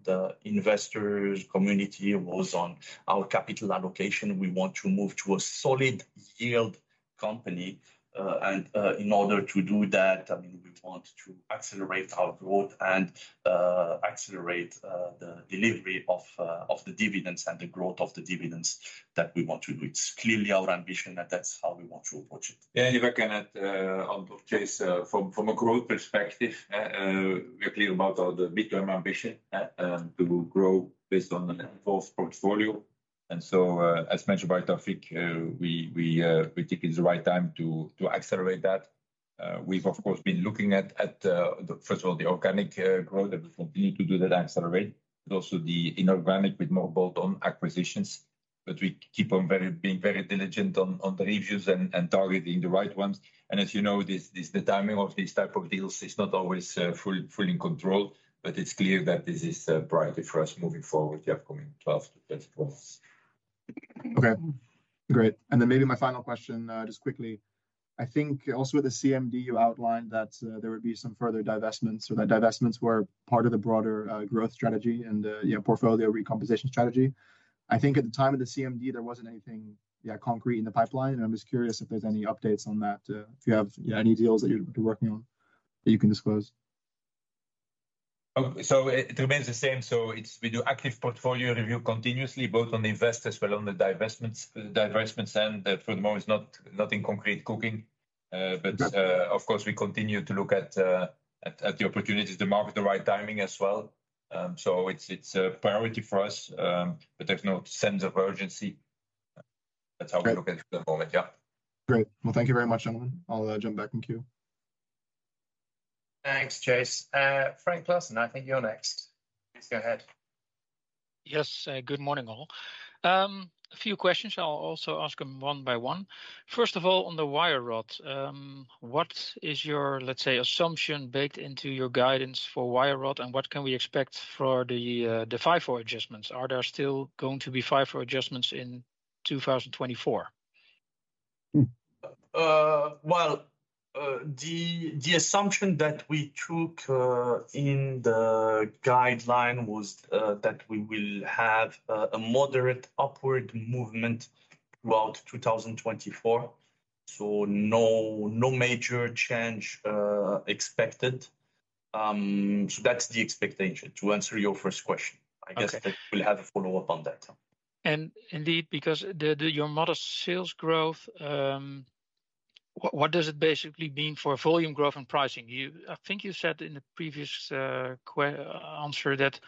[SPEAKER 3] the investors community was on our capital allocation. We want to move to a solid yield company. And in order to do that, I mean, we want to accelerate our growth and accelerate the delivery of the dividends and the growth of the dividends that we want to do. It's clearly our ambition, and that's how we want to approach it.
[SPEAKER 2] Yeah, if I can add, on Chase, from a growth perspective, we are clear about our, the midterm ambition to grow based on an enforced portfolio. And so, as mentioned by Taoufiq, we think it's the right time to accelerate that. We've of course been looking at, first of all, the organic growth, and we continue to do that accelerate. Also, the inorganic with more bolt-on acquisitions. But we keep on being very diligent on the reviews and targeting the right ones. And as you know, this, the timing of these type of deals is not always fully in control, but it's clear that this is a priority for us moving forward, the upcoming 12-13 months.
[SPEAKER 4] Okay, great. And then maybe my final question, just quickly. I think also with the CMD, you outlined that, there would be some further divestments, or that divestments were part of the broader, growth strategy and, yeah, portfolio recomposition strategy. I think at the time of the CMD, there wasn't anything, yeah, concrete in the pipeline, and I'm just curious if there's any updates on that, if you have, yeah, any deals that you're working on that you can disclose.
[SPEAKER 3] So it remains the same. We do active portfolio review continuously, both on the invest as well on the divestments, and for the moment, there's nothing concrete cooking. But,
[SPEAKER 4] Yeah...
[SPEAKER 3] of course, we continue to look at the opportunities to market the right timing as well. So it's a priority for us, but there's no sense of urgency.
[SPEAKER 4] Great.
[SPEAKER 2] That's how we look at the moment. Yeah.
[SPEAKER 4] Great. Well, thank you very much, gentlemen. I'll jump back in queue.
[SPEAKER 1] Thanks, Chase. Frank Claassen, I think you're next. Please go ahead.
[SPEAKER 5] Yes. Good morning, all. A few questions. I'll also ask them one by one. First of all, on the wire rod, what is your, let's say, assumption, baked into your guidance for wire rod, and what can we expect for the FIFO adjustments? Are there still going to be FIFO adjustments in 2024?
[SPEAKER 2] Well, the assumption that we took in the guideline was that we will have a moderate upward movement throughout 2024. So no major change expected. So that's the expectation, to answer your first question.
[SPEAKER 5] Okay.
[SPEAKER 2] I guess we'll have a follow-up on that.
[SPEAKER 5] And indeed, because your model sales growth, what does it basically mean for volume growth and pricing? You, I think you said in the previous, Q&A answer that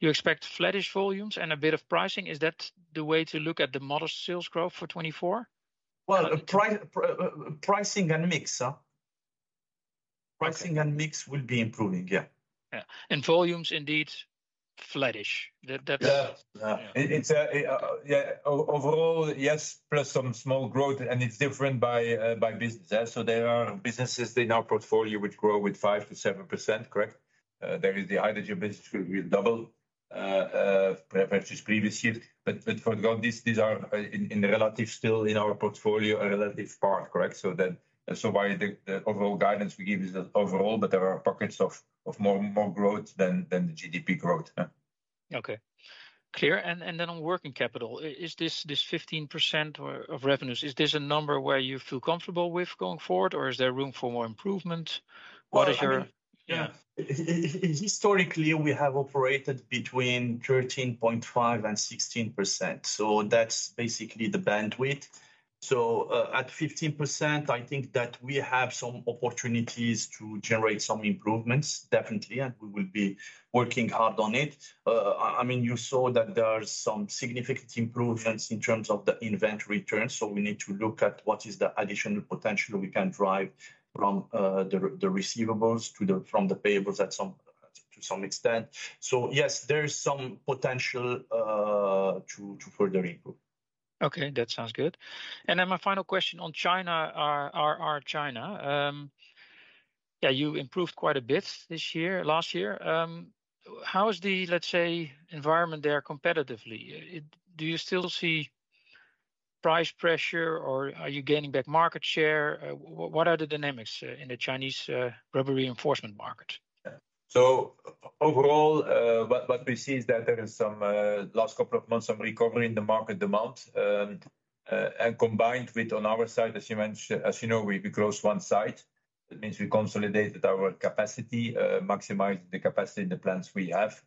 [SPEAKER 5] you expect flattish volumes and a bit of pricing. Is that the way to look at the model sales growth for 2024?
[SPEAKER 2] Well, price, pricing and mix, pricing and mix will be improving, yeah.
[SPEAKER 5] Yeah. And volumes indeed flattish. That,
[SPEAKER 2] Yeah. Yeah. It's yeah overall, yes, plus some small growth, and it's different by business. So there are businesses in our portfolio which grow with 5%-7%, correct? There is the hydrogen business which will double, perhaps this previous year. But for now, these are in relative, still in our portfolio, a relative part, correct? So then, why the overall guidance we give is the overall, but there are pockets of more growth than the GDP growth, yeah....
[SPEAKER 5] Okay, clear. And then on working capital, is this, this 15% of revenues, a number where you feel comfortable with going forward, or is there room for more improvement? What is your-
[SPEAKER 2] Well, I mean, yeah. Historically, we have operated between 13.5% and 16%, so that's basically the bandwidth. So, at 15%, I think that we have some opportunities to generate some improvements, definitely, and we will be working hard on it. I mean, you saw that there are some significant improvements in terms of the inventory turns, so we need to look at what is the additional potential we can drive from the receivables to from the payables to some extent. So yes, there is some potential to further improve.
[SPEAKER 5] Okay, that sounds good. And then my final question on China, our China. Yeah, you improved quite a bit this year, last year. How is the, let's say, environment there competitively? Do you still see price pressure, or are you gaining back market share? What are the dynamics in the Chinese rubber reinforcement market?
[SPEAKER 2] So overall, what we see is that there is some last couple of months, some recovery in the market demand. And combined with on our side, as you mentioned—as you know, we closed one site. That means we consolidated our capacity, maximized the capacity in the plants we have,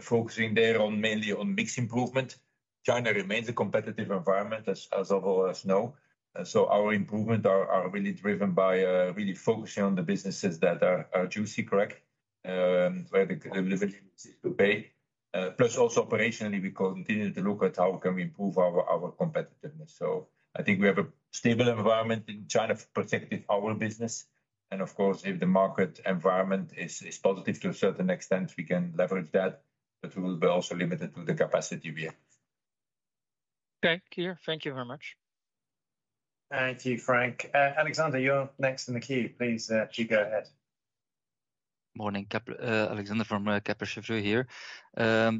[SPEAKER 2] focusing there mainly on mix improvement. China remains a competitive environment as all of us know, so our improvement are really driven by really focusing on the businesses that are juicy, correct, where the delivery is to pay. Plus, also operationally, we continue to look at how can we improve our competitiveness. I think we have a stable environment in China protecting our business, and of course, if the market environment is positive to a certain extent, we can leverage that, but we will be also limited to the capacity we have.
[SPEAKER 5] Okay, clear. Thank you very much.
[SPEAKER 1] Thank you, Frank. Alexander, you're next in the queue. Please, you go ahead.
[SPEAKER 6] Morning, Kepler Cheuvreux, Alexander Craeymeersch from Kepler Cheuvreux here.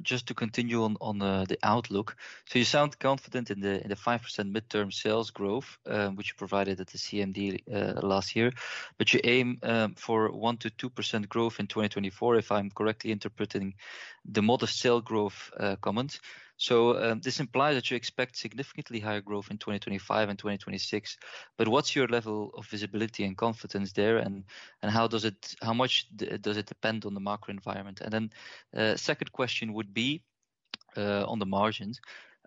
[SPEAKER 6] Just to continue on the outlook. So you sound confident in the 5% midterm sales growth, which you provided at the CMD last year, but you aim for 1%-2% growth in 2024, if I'm correctly interpreting the modest sales growth comment. So this implies that you expect significantly higher growth in 2025 and 2026, but what's your level of visibility and confidence there, and how does it... how much does it depend on the macro environment? And then second question would be on the margins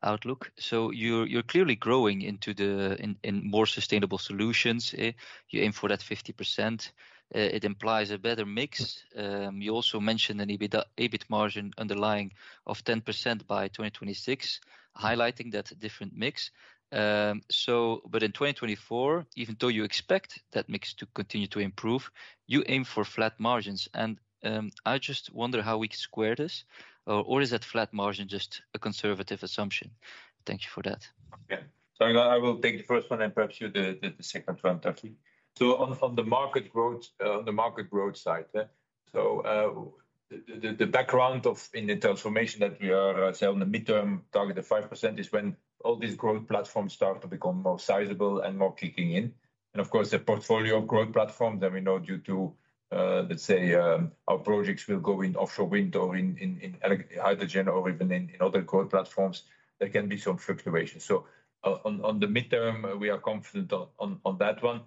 [SPEAKER 6] outlook. So you're clearly growing into the more sustainable solutions. You aim for that 50%. It implies a better mix. You also mentioned an EBIT, EBIT margin underlying of 10% by 2026, highlighting that different mix. So but in 2024, even though you expect that mix to continue to improve, you aim for flat margins, and I just wonder how we square this, or is that flat margin just a conservative assumption? Thank you for that.
[SPEAKER 2] Yeah. So I will take the first one and perhaps you the second one, Taoufiq. So on the market growth side, yeah, so the background of in the transformation that we are selling the midterm target of 5% is when all these growth platforms start to become more sizable and more kicking in. And of course, the portfolio growth platforms, and we know due to, let's say, our projects will go in offshore wind, in ele- hydrogen or even in other growth platforms, there can be some fluctuations. So on the midterm, we are confident on that one.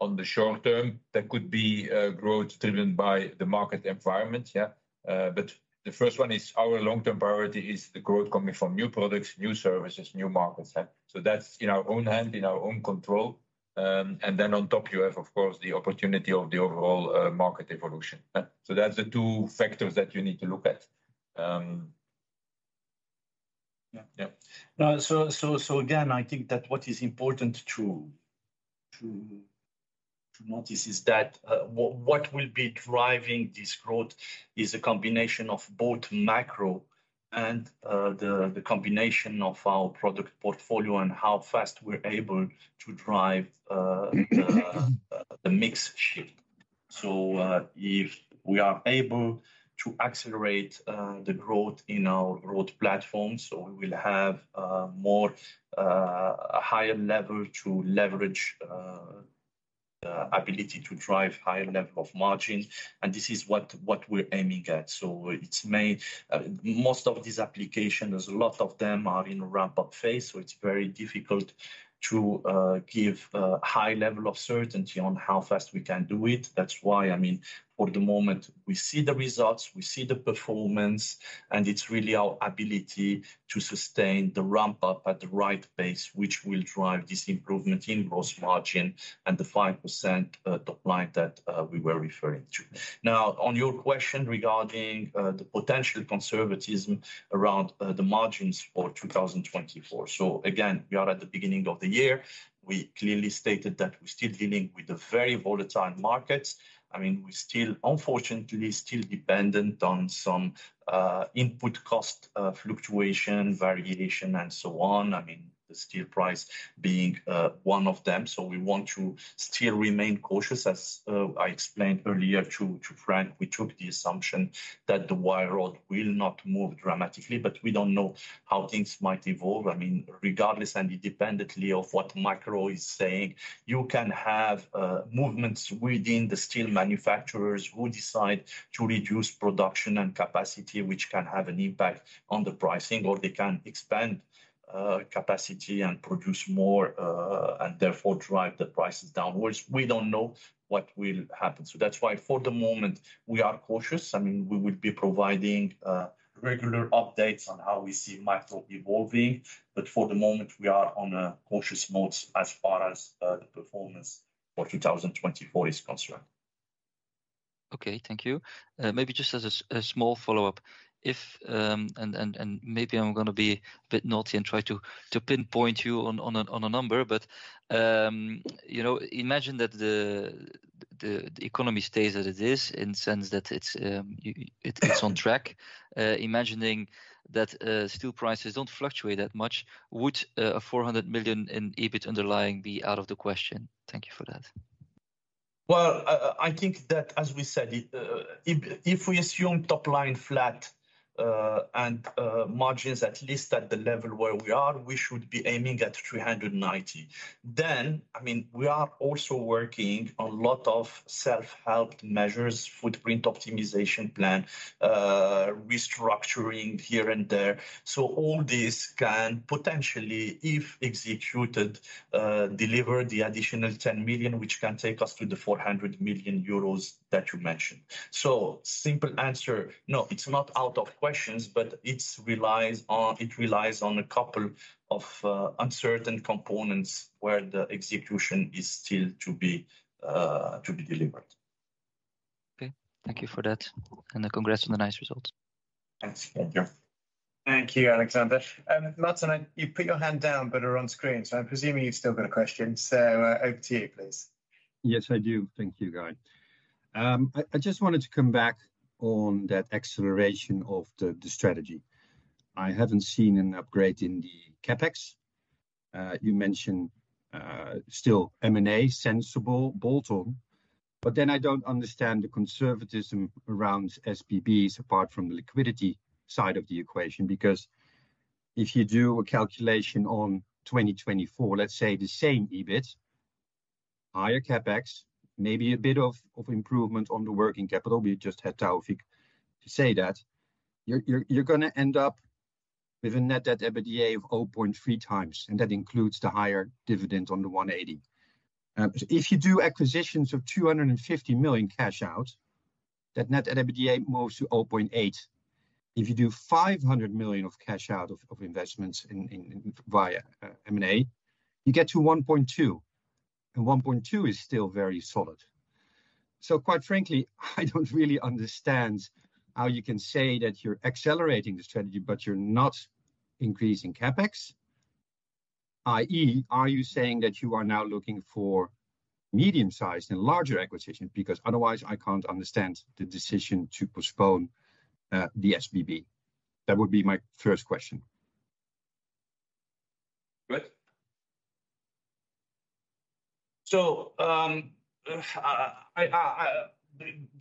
[SPEAKER 2] On the short term, there could be growth driven by the market environment, yeah? But the first one is our long-term priority is the growth coming from new products, new services, new markets. So that's in our own hand, in our own control. And then on top, you have, of course, the opportunity of the overall market evolution. So that's the two factors that you need to look at.
[SPEAKER 3] Yeah.
[SPEAKER 2] Yeah.
[SPEAKER 3] Now, so again, I think that what is important to notice is that what will be driving this growth is a combination of both macro and the combination of our product portfolio and how fast we're able to drive the mix shift. So, if we are able to accelerate the growth in our growth platform, we will have more higher level to leverage ability to drive higher level of margins, and this is what we're aiming at. So, most of these applications, a lot of them are in ramp-up phase, so it's very difficult to give high level of certainty on how fast we can do it. That's why, I mean, for the moment, we see the results, we see the performance, and it's really our ability to sustain the ramp-up at the right pace, which will drive this improvement in gross margin and the 5% top line that we were referring to. Now, on your question regarding the potential conservatism around the margins for 2024. So again, we are at the beginning of the year. We clearly stated that we're still dealing with the very volatile markets. I mean, we're still, unfortunately, still dependent on some input cost fluctuation, variation, and so on. I mean, the steel price being one of them. So we want to still remain cautious, as I explained earlier to Frank. We took the assumption that the wire rod will not move dramatically, but we don't know how things might evolve. I mean, regardless and independently of what macro is saying, you can have, movements within the steel manufacturers who decide to reduce production and capacity, which can have an impact on the pricing, or they can expand, capacity and produce more, and therefore drive the prices downwards. We don't know what will happen. So that's why, for the moment, we are cautious. I mean, we will be providing, regular updates on how we see macro evolving, but for the moment, we are on a cautious mode as far as, the performance for 2024 is concerned.
[SPEAKER 6] Okay, thank you. Maybe just as a small follow-up, if maybe I'm gonna be a bit naughty and try to pinpoint you on a number, but you know, imagine that the economy stays as it is, in the sense that it's on track. Imagining that steel prices don't fluctuate that much, would 400 million in underlying EBIT be out of the question? Thank you for that.
[SPEAKER 3] Well, I think that, as we said, it, if we assume top line flat, and margins at least at the level where we are, we should be aiming at 390 million. Then, I mean, we are also working on lot of self-help measures, footprint optimization plan, restructuring here and there. So all this can potentially, if executed, deliver the additional 10 million, which can take us to the 400 million euros that you mentioned. So simple answer, no, it's not out of questions, but it relies on a couple of uncertain components where the execution is still to be delivered.
[SPEAKER 6] Okay, thank you for that, and congrats on the nice results.
[SPEAKER 3] Thanks. Thank you.
[SPEAKER 1] Thank you, Alexander. Martijn, you put your hand down but are on screen, so I'm presuming you've still got a question. So, over to you, please.
[SPEAKER 7] Yes, I do. Thank you, Guy. I just wanted to come back on that acceleration of the strategy. I haven't seen an upgrade in the CapEx. You mentioned still M&A, sensible bolt-on, but then I don't understand the conservatism around SBBs, apart from the liquidity side of the equation. Because if you do a calculation on 2024, let's say the same EBIT, higher CapEx, maybe a bit of improvement on the working capital, we just had Taoufiq to say that, you're gonna end up with a net debt EBITDA of 0.3x, and that includes the higher dividend on the 180 million. If you do acquisitions of 250 million cash out, that net debt EBITDA moves to 0.8x. If you do 500 million of cash out of investments in via M&A, you get to 1.2 billion, and 1.2 billion is still very solid. So quite frankly, I don't really understand how you can say that you're accelerating the strategy but you're not increasing CapEx. i.e., are you saying that you are now looking for medium-sized and larger acquisitions? Because otherwise, I can't understand the decision to postpone the SBB. That would be my first question.
[SPEAKER 1] Go ahead.
[SPEAKER 3] So, the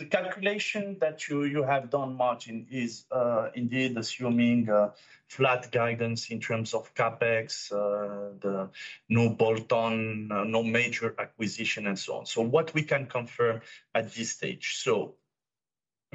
[SPEAKER 3] calculation that you have done, Martin, is indeed assuming a flat guidance in terms of CapEx, the no bolt-on, no major acquisition, and so on. So what we can confirm at this stage,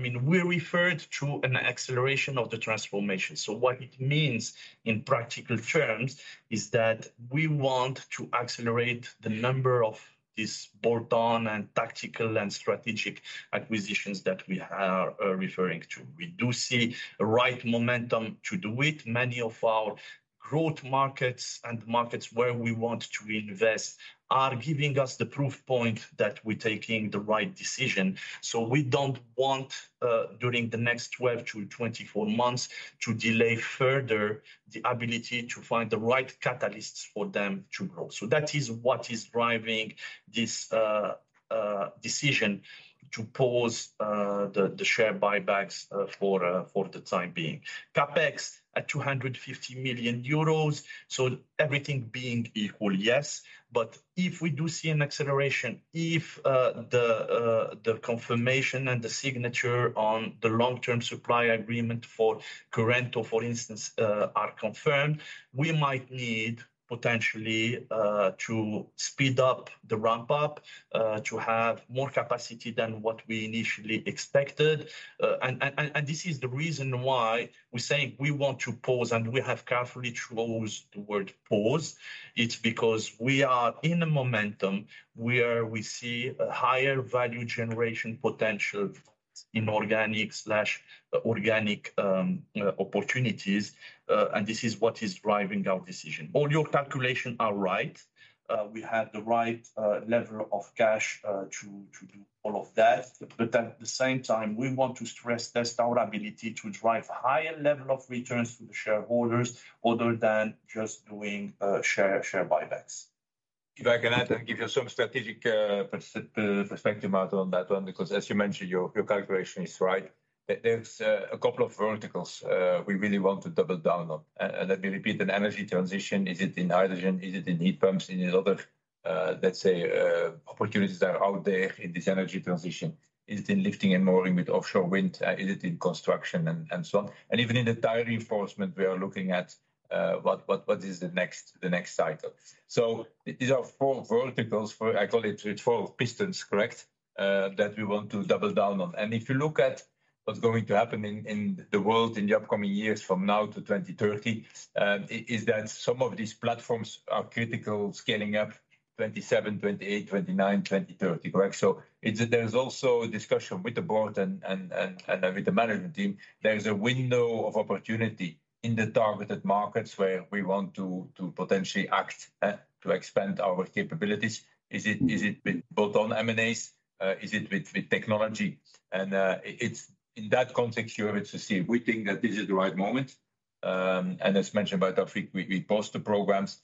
[SPEAKER 3] I mean, we referred to an acceleration of the transformation. So what it means in practical terms is that we want to accelerate the number of this bolt-on and tactical and strategic acquisitions that we are referring to. We do see a right momentum to do it. Many of our growth markets and markets where we want to invest are giving us the proof point that we're taking the right decision. So we don't want during the next 12-24 months to delay further the ability to find the right catalysts for them to grow. So that is what is driving this decision to pause the share buybacks for the time being. CapEx at 250 million euros, so everything being equal, yes. But if we do see an acceleration, if the confirmation and the signature on the long-term supply agreement for Currento, for instance, are confirmed, we might need potentially to speed up the ramp-up to have more capacity than what we initially expected. And this is the reason why we're saying we want to pause, and we have carefully chose the word "pause." It's because we are in a momentum, where we see a higher value generation potential in organic slash organic opportunities, and this is what is driving our decision. All your calculation are right. We have the right level of cash to do all of that. But at the same time, we want to stress test our ability to drive higher level of returns for the shareholders, other than just doing share buybacks.
[SPEAKER 2] If I can add and give you some strategic perspective, Martin, on that one, because as you mentioned, your calculation is right. There's a couple of verticals we really want to double down on. And let me repeat, an energy transition, is it in hydrogen? Is it in heat pumps? Is it in other, let's say, opportunities that are out there in this energy transition? Is it in lifting and mooring with offshore wind? Is it in construction and so on? And even in the tire reinforcement, we are looking at what is the next cycle. So these are four verticals. I call it it's four pistons, correct, that we want to double down on. And if you look at what's going to happen in the world in the upcoming years from now to 2030, is that some of these platforms are critical scaling up 27, 28, 29, 2030. Correct? So it's... There's also a discussion with the board and with the management team. There is a window of opportunity in the targeted markets where we want to potentially act to expand our capabilities. Is it with bolt-on M&As? Is it with technology? And it, it's in that context here, it's the same. We think that this is the right moment... And as mentioned by Taoufiq, we paused the programs,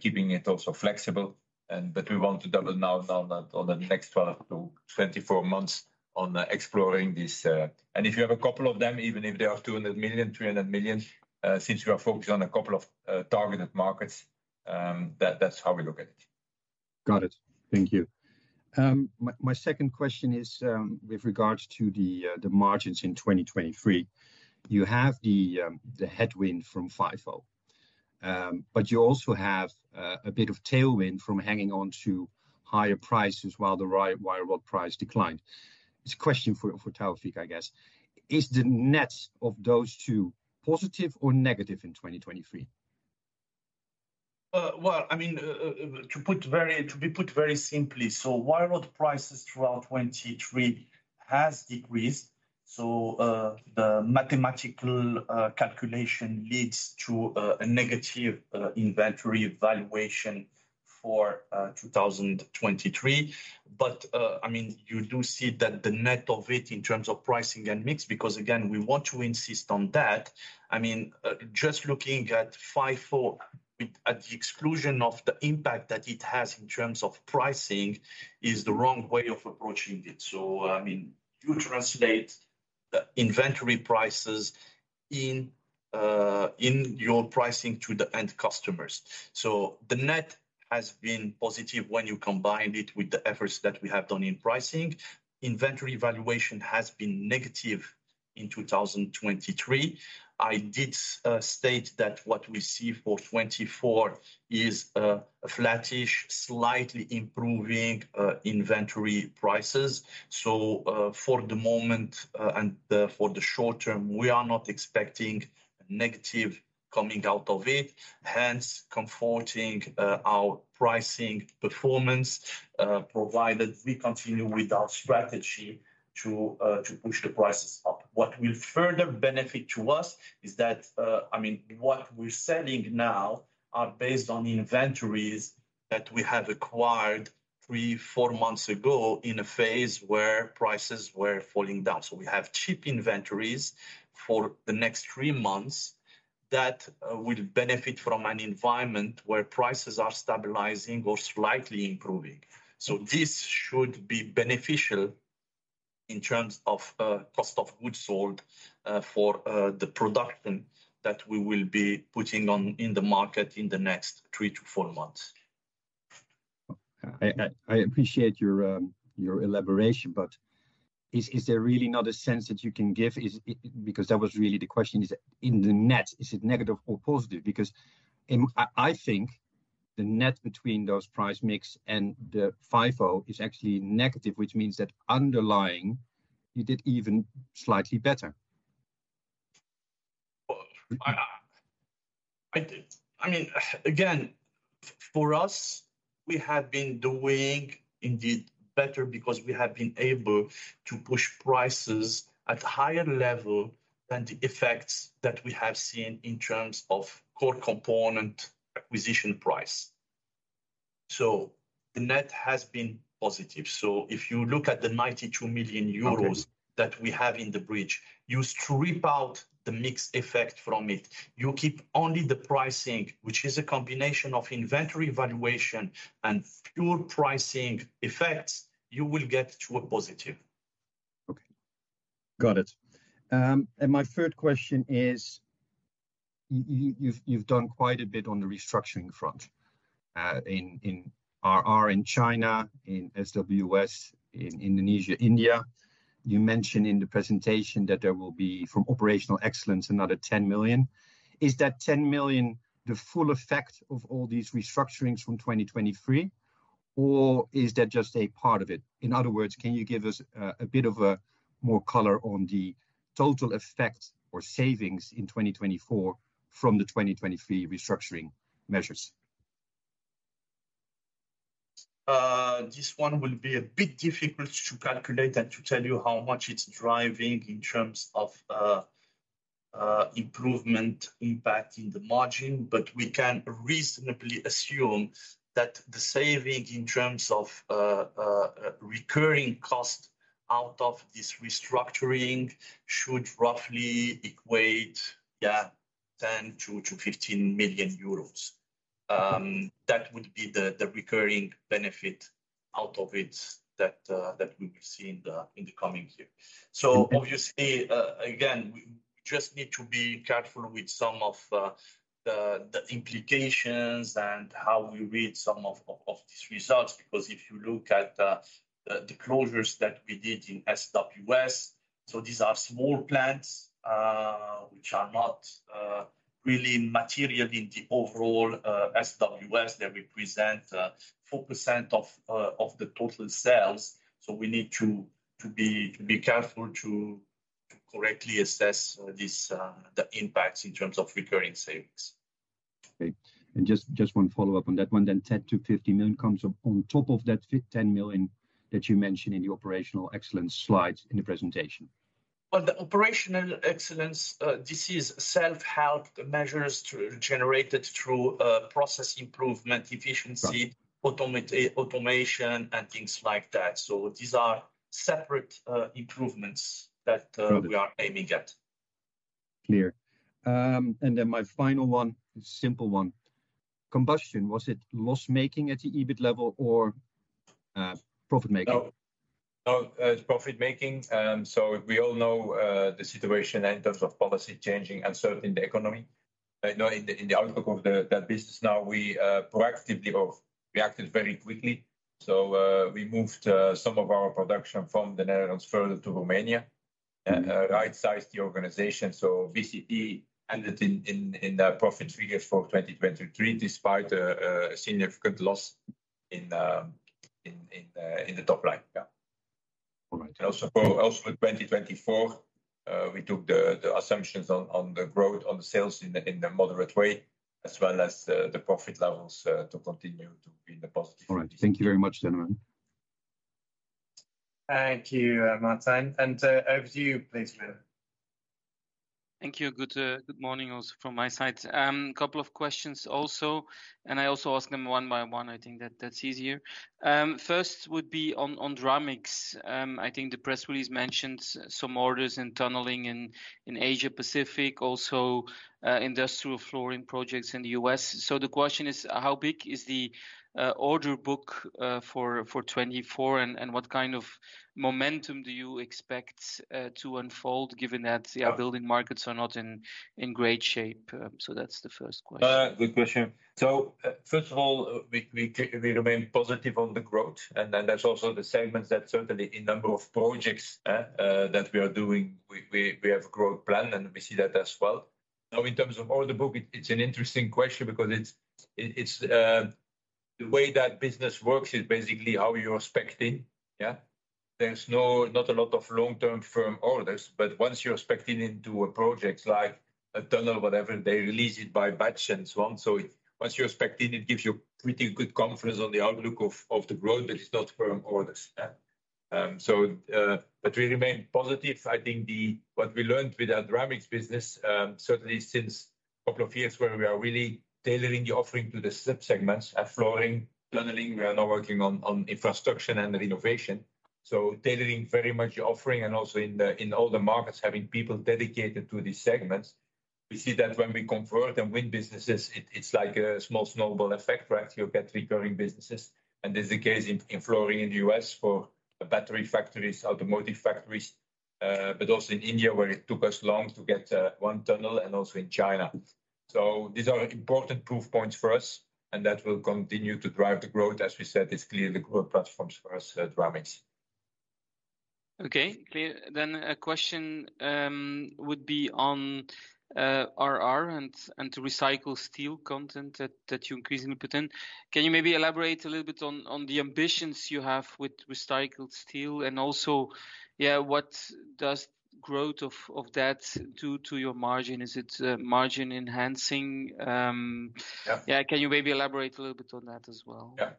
[SPEAKER 2] keeping it also flexible, and but we want to double down now on the next 12 to 24 months on exploring this. If you have a couple of them, even if they are 200 million, 300 million, since we are focused on a couple of targeted markets, that's how we look at it.
[SPEAKER 7] Got it. Thank you. My, my second question is, with regards to the, the margins in 2023. You have the, the headwind from FIFO, but you also have, a bit of tailwind from hanging on to higher prices while the wire, wire rod price declined. It's a question for, for Taoufiq, I guess. Is the net of those two positive or negative in 2023?
[SPEAKER 3] Well, I mean, to put it very simply, so wire rod prices throughout 2023 has decreased, so the mathematical calculation leads to a negative inventory valuation for 2023. But, I mean, you do see that the net of it in terms of pricing and mix, because again, we want to insist on that. I mean, just looking at FIFO, at the exclusion of the impact that it has in terms of pricing, is the wrong way of approaching it. So, I mean, you translate the inventory prices in your pricing to the end customers. So the net has been positive when you combined it with the efforts that we have done in pricing. Inventory valuation has been negative in 2023. I did state that what we see for 2024 is a flattish, slightly improving inventory prices. So, for the moment, and for the short term, we are not expecting negative coming out of it, hence comforting our pricing performance, provided we continue with our strategy to push the prices up. What will further benefit to us is that, I mean, what we're selling now are based on inventories that we have acquired three to four months ago in a phase where prices were falling down. So we have cheap inventories for the next three months that will benefit from an environment where prices are stabilizing or slightly improving. This should be beneficial in terms of cost of goods sold for the production that we will be putting on in the market in the next three to four months.
[SPEAKER 7] I appreciate your elaboration, but is there really not a sense that you can give? Is it because that was really the question, is in the net, is it negative or positive? Because I think the net between those price mix and the FIFO is actually negative, which means that underlying, you did even slightly better.
[SPEAKER 3] Well, I mean, again, for us, we have been doing indeed better because we have been able to push prices at a higher level than the effects that we have seen in terms of core component acquisition price. So the net has been positive. So if you look at the 92 million euros-
[SPEAKER 7] Okay...
[SPEAKER 3] that we have in the bridge, you strip out the mix effect from it, you keep only the pricing, which is a combination of inventory valuation and fuel pricing effects, you will get to a positive.
[SPEAKER 7] Okay. Got it. And my third question is, you've done quite a bit on the restructuring front, in RR in China, in SWS, in Indonesia, India. You mentioned in the presentation that there will be, from operational excellence, another 10 million. Is that 10 million the full effect of all these restructurings from 2023, or is that just a part of it? In other words, can you give us a bit more color on the total effect or savings in 2024 from the 2023 restructuring measures?
[SPEAKER 3] This one will be a bit difficult to calculate and to tell you how much it's driving in terms of, improvement impact in the margin, but we can reasonably assume that the saving in terms of, recurring cost out of this restructuring should roughly equate, 10-15 million euros. That would be the recurring benefit out of it that we will see in the coming year.
[SPEAKER 7] Mm-hmm.
[SPEAKER 3] So obviously, again, we just need to be careful with some of the implications and how we read some of these results. Because if you look at the closures that we did in SWS, so these are small plants, which are not really material in the overall SWS. They represent 4% of the total sales, so we need to be careful to correctly assess this the impacts in terms of recurring savings.
[SPEAKER 7] Okay. Just, just one follow-up on that one then. 10-15 million comes up on top of the 10 million that you mentioned in the operational excellence slide in the presentation?
[SPEAKER 3] Well, the operational excellence, this is self-help measures to-generated through, process improvement, efficiency-
[SPEAKER 7] Right...
[SPEAKER 3] automation and things like that. So these are separate improvements that-
[SPEAKER 7] Got it...
[SPEAKER 3] we are aiming at....
[SPEAKER 7] Clear. And then my final one, a simple one. Combustion, was it loss-making at the EBIT level or, profit-making?
[SPEAKER 2] No, no, it's profit-making. So we all know the situation in terms of policy changing and certainly the economy. You know, in the outlook of that business now, we proactively or reacted very quickly. So, we moved some of our production from the Netherlands further to Romania-
[SPEAKER 7] Mm-hmm...
[SPEAKER 2] and right-sized the organization. So BCT ended in the profit figure for 2023, despite a significant loss in the top line. Yeah.
[SPEAKER 7] All right.
[SPEAKER 2] Also, with 2024, we took the assumptions on the growth on the sales in the moderate way, as well as the profit levels to continue to be in the positive.
[SPEAKER 7] All right. Thank you very much, gentlemen.
[SPEAKER 1] Thank you, Martijn. Over to you, please, Wim.
[SPEAKER 8] Thank you. Good morning also from my side. Couple of questions also, and I also ask them one by one, I think that's easier. First would be on Dramix. I think the press release mentions some orders in tunneling in Asia Pacific, also industrial flooring projects in the U.S. So the question is: How big is the order book for 2024, and what kind of momentum do you expect to unfold, given that the building markets are not in great shape? So that's the first question.
[SPEAKER 2] Good question. So, first of all, we remain positive on the growth, and then there's also the segments that certainly in number of projects that we are doing, we have a growth plan, and we see that as well. Now, in terms of order book, it's an interesting question because it's... The way that business works is basically how you're prospecting. Yeah? There's not a lot of long-term firm orders, but once you're prospecting into a project, like a tunnel, whatever, they release it by batch and so on. So once you're prospecting, it gives you pretty good confidence on the outlook of the growth, but it's not firm orders. But we remain positive. I think what we learned with our Dramix business, certainly since couple of years, where we are really tailoring the offering to the sub-segments, flooring, tunneling, we are now working on infrastructure and renovation. So tailoring very much the offering and also in all the markets, having people dedicated to these segments. We see that when we convert and win businesses, it's like a small snowball effect, right? You get recurring businesses, and this is the case in flooring in the U.S. for battery factories, automotive factories, but also in India, where it took us long to get one tunnel, and also in China. So these are important proof points for us, and that will continue to drive the growth. As we said, it's clearly the growth platforms for us at Dramix.
[SPEAKER 8] Okay, clear. Then a question would be on RR and recycled steel content that you're increasingly putting. Can you maybe elaborate a little bit on the ambitions you have with recycled steel? And also, yeah, what does growth of that do to your margin? Is it margin enhancing?
[SPEAKER 2] Yeah.
[SPEAKER 8] Yeah, can you maybe elaborate a little bit on that as well?
[SPEAKER 2] Yeah.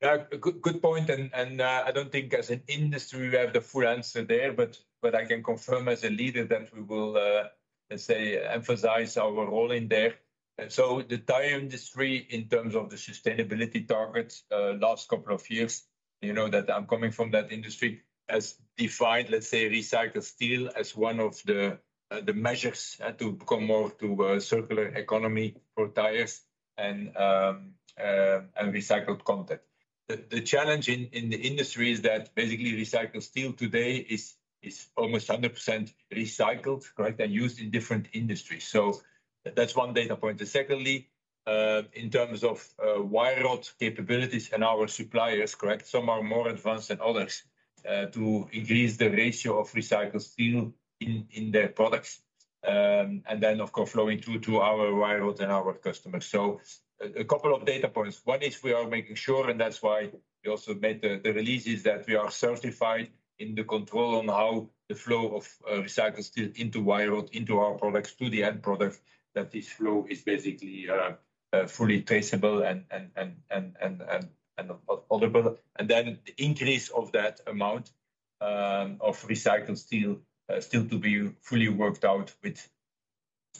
[SPEAKER 2] Yeah, good, good point, and, and, I don't think as an industry we have the full answer there, but, but I can confirm as a leader that we will, let's say, emphasize our role in there. And so the tire industry, in terms of the sustainability targets, last couple of years, you know that I'm coming from that industry, has defined, let's say, recycled steel as one of the, the measures, to come more to a circular economy for tires and, and recycled content. The, the challenge in, in the industry is that basically recycled steel today is, is almost 100% recycled, correct, and used in different industries. So that's one data point. And secondly, in terms of wire rod capabilities and our suppliers, correct, some are more advanced than others to increase the ratio of recycled steel in their products. And then, of course, flowing through to our wire rod and our customers. So a couple of data points. One is we are making sure, and that's why we also made the releases, that we are certified in the control on how the flow of recycled steel into wire rod, into our products, to the end product, that this flow is basically fully traceable and audible. And then the increase of that amount of recycled steel still to be fully worked out with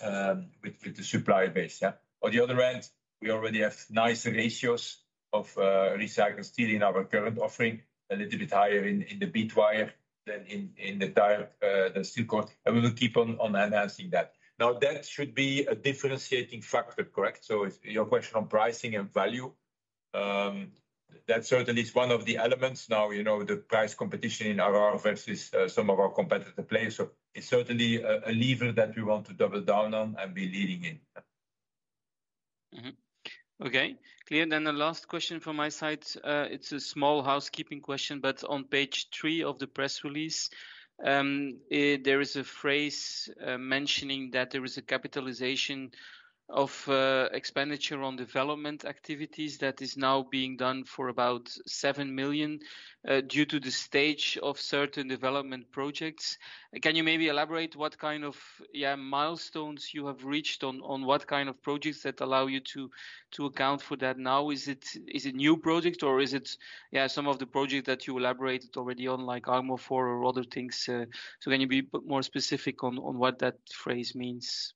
[SPEAKER 2] the supplier base, yeah. On the other hand, we already have nice ratios of recycled steel in our current offering, a little bit higher in the bead wire than in the tire, the steel cord, and we will keep on enhancing that. Now, that should be a differentiating factor, correct? So your question on pricing and value, that certainly is one of the elements. Now, you know, the price competition in RR versus some of our competitive players, so it's certainly a lever that we want to double down on and be leading in.
[SPEAKER 8] Mm-hmm. Okay, clear. Then the last question from my side, it's a small housekeeping question, but on page 3 of the press release, there is a phrase mentioning that there is a capitalization of expenditure on development activities that is now being done for about 7 million due to the stage of certain development projects. Can you maybe elaborate what kind of milestones you have reached on what kind of projects that allow you to account for that now? Is it new project, or is it some of the projects that you elaborated already on, like Armofor or other things? So can you be more specific on what that phrase means?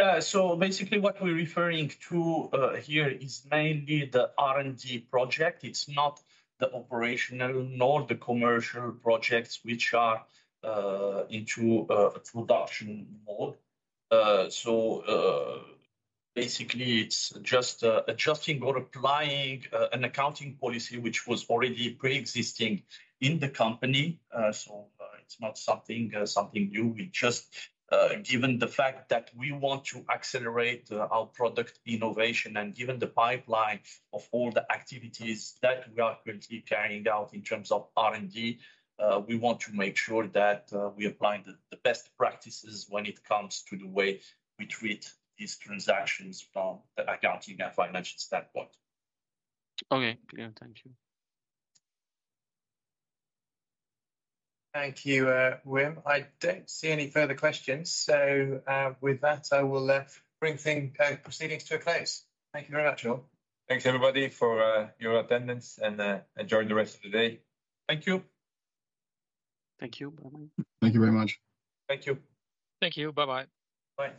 [SPEAKER 2] Yeah. So basically, what we're referring to here is mainly the R&D project. It's not the operational nor the commercial projects which are into production mode. So basically, it's just adjusting or applying an accounting policy which was already preexisting in the company. So it's not something, something new. We just, given the fact that we want to accelerate our product innovation and given the pipeline of all the activities that we are currently carrying out in terms of R&D, we want to make sure that we apply the, the best practices when it comes to the way we treat these transactions from an accounting and financial standpoint.
[SPEAKER 8] Okay, clear. Thank you.
[SPEAKER 1] Thank you, Wim. I don't see any further questions, so with that, I will bring the proceedings to a close. Thank you very much, all.
[SPEAKER 2] Thanks, everybody, for your attendance, and enjoy the rest of the day. Thank you.
[SPEAKER 7] Thank you. Bye-bye.
[SPEAKER 3] Thank you very much.
[SPEAKER 2] Thank you.
[SPEAKER 3] Thank you. Bye-bye.
[SPEAKER 2] Bye.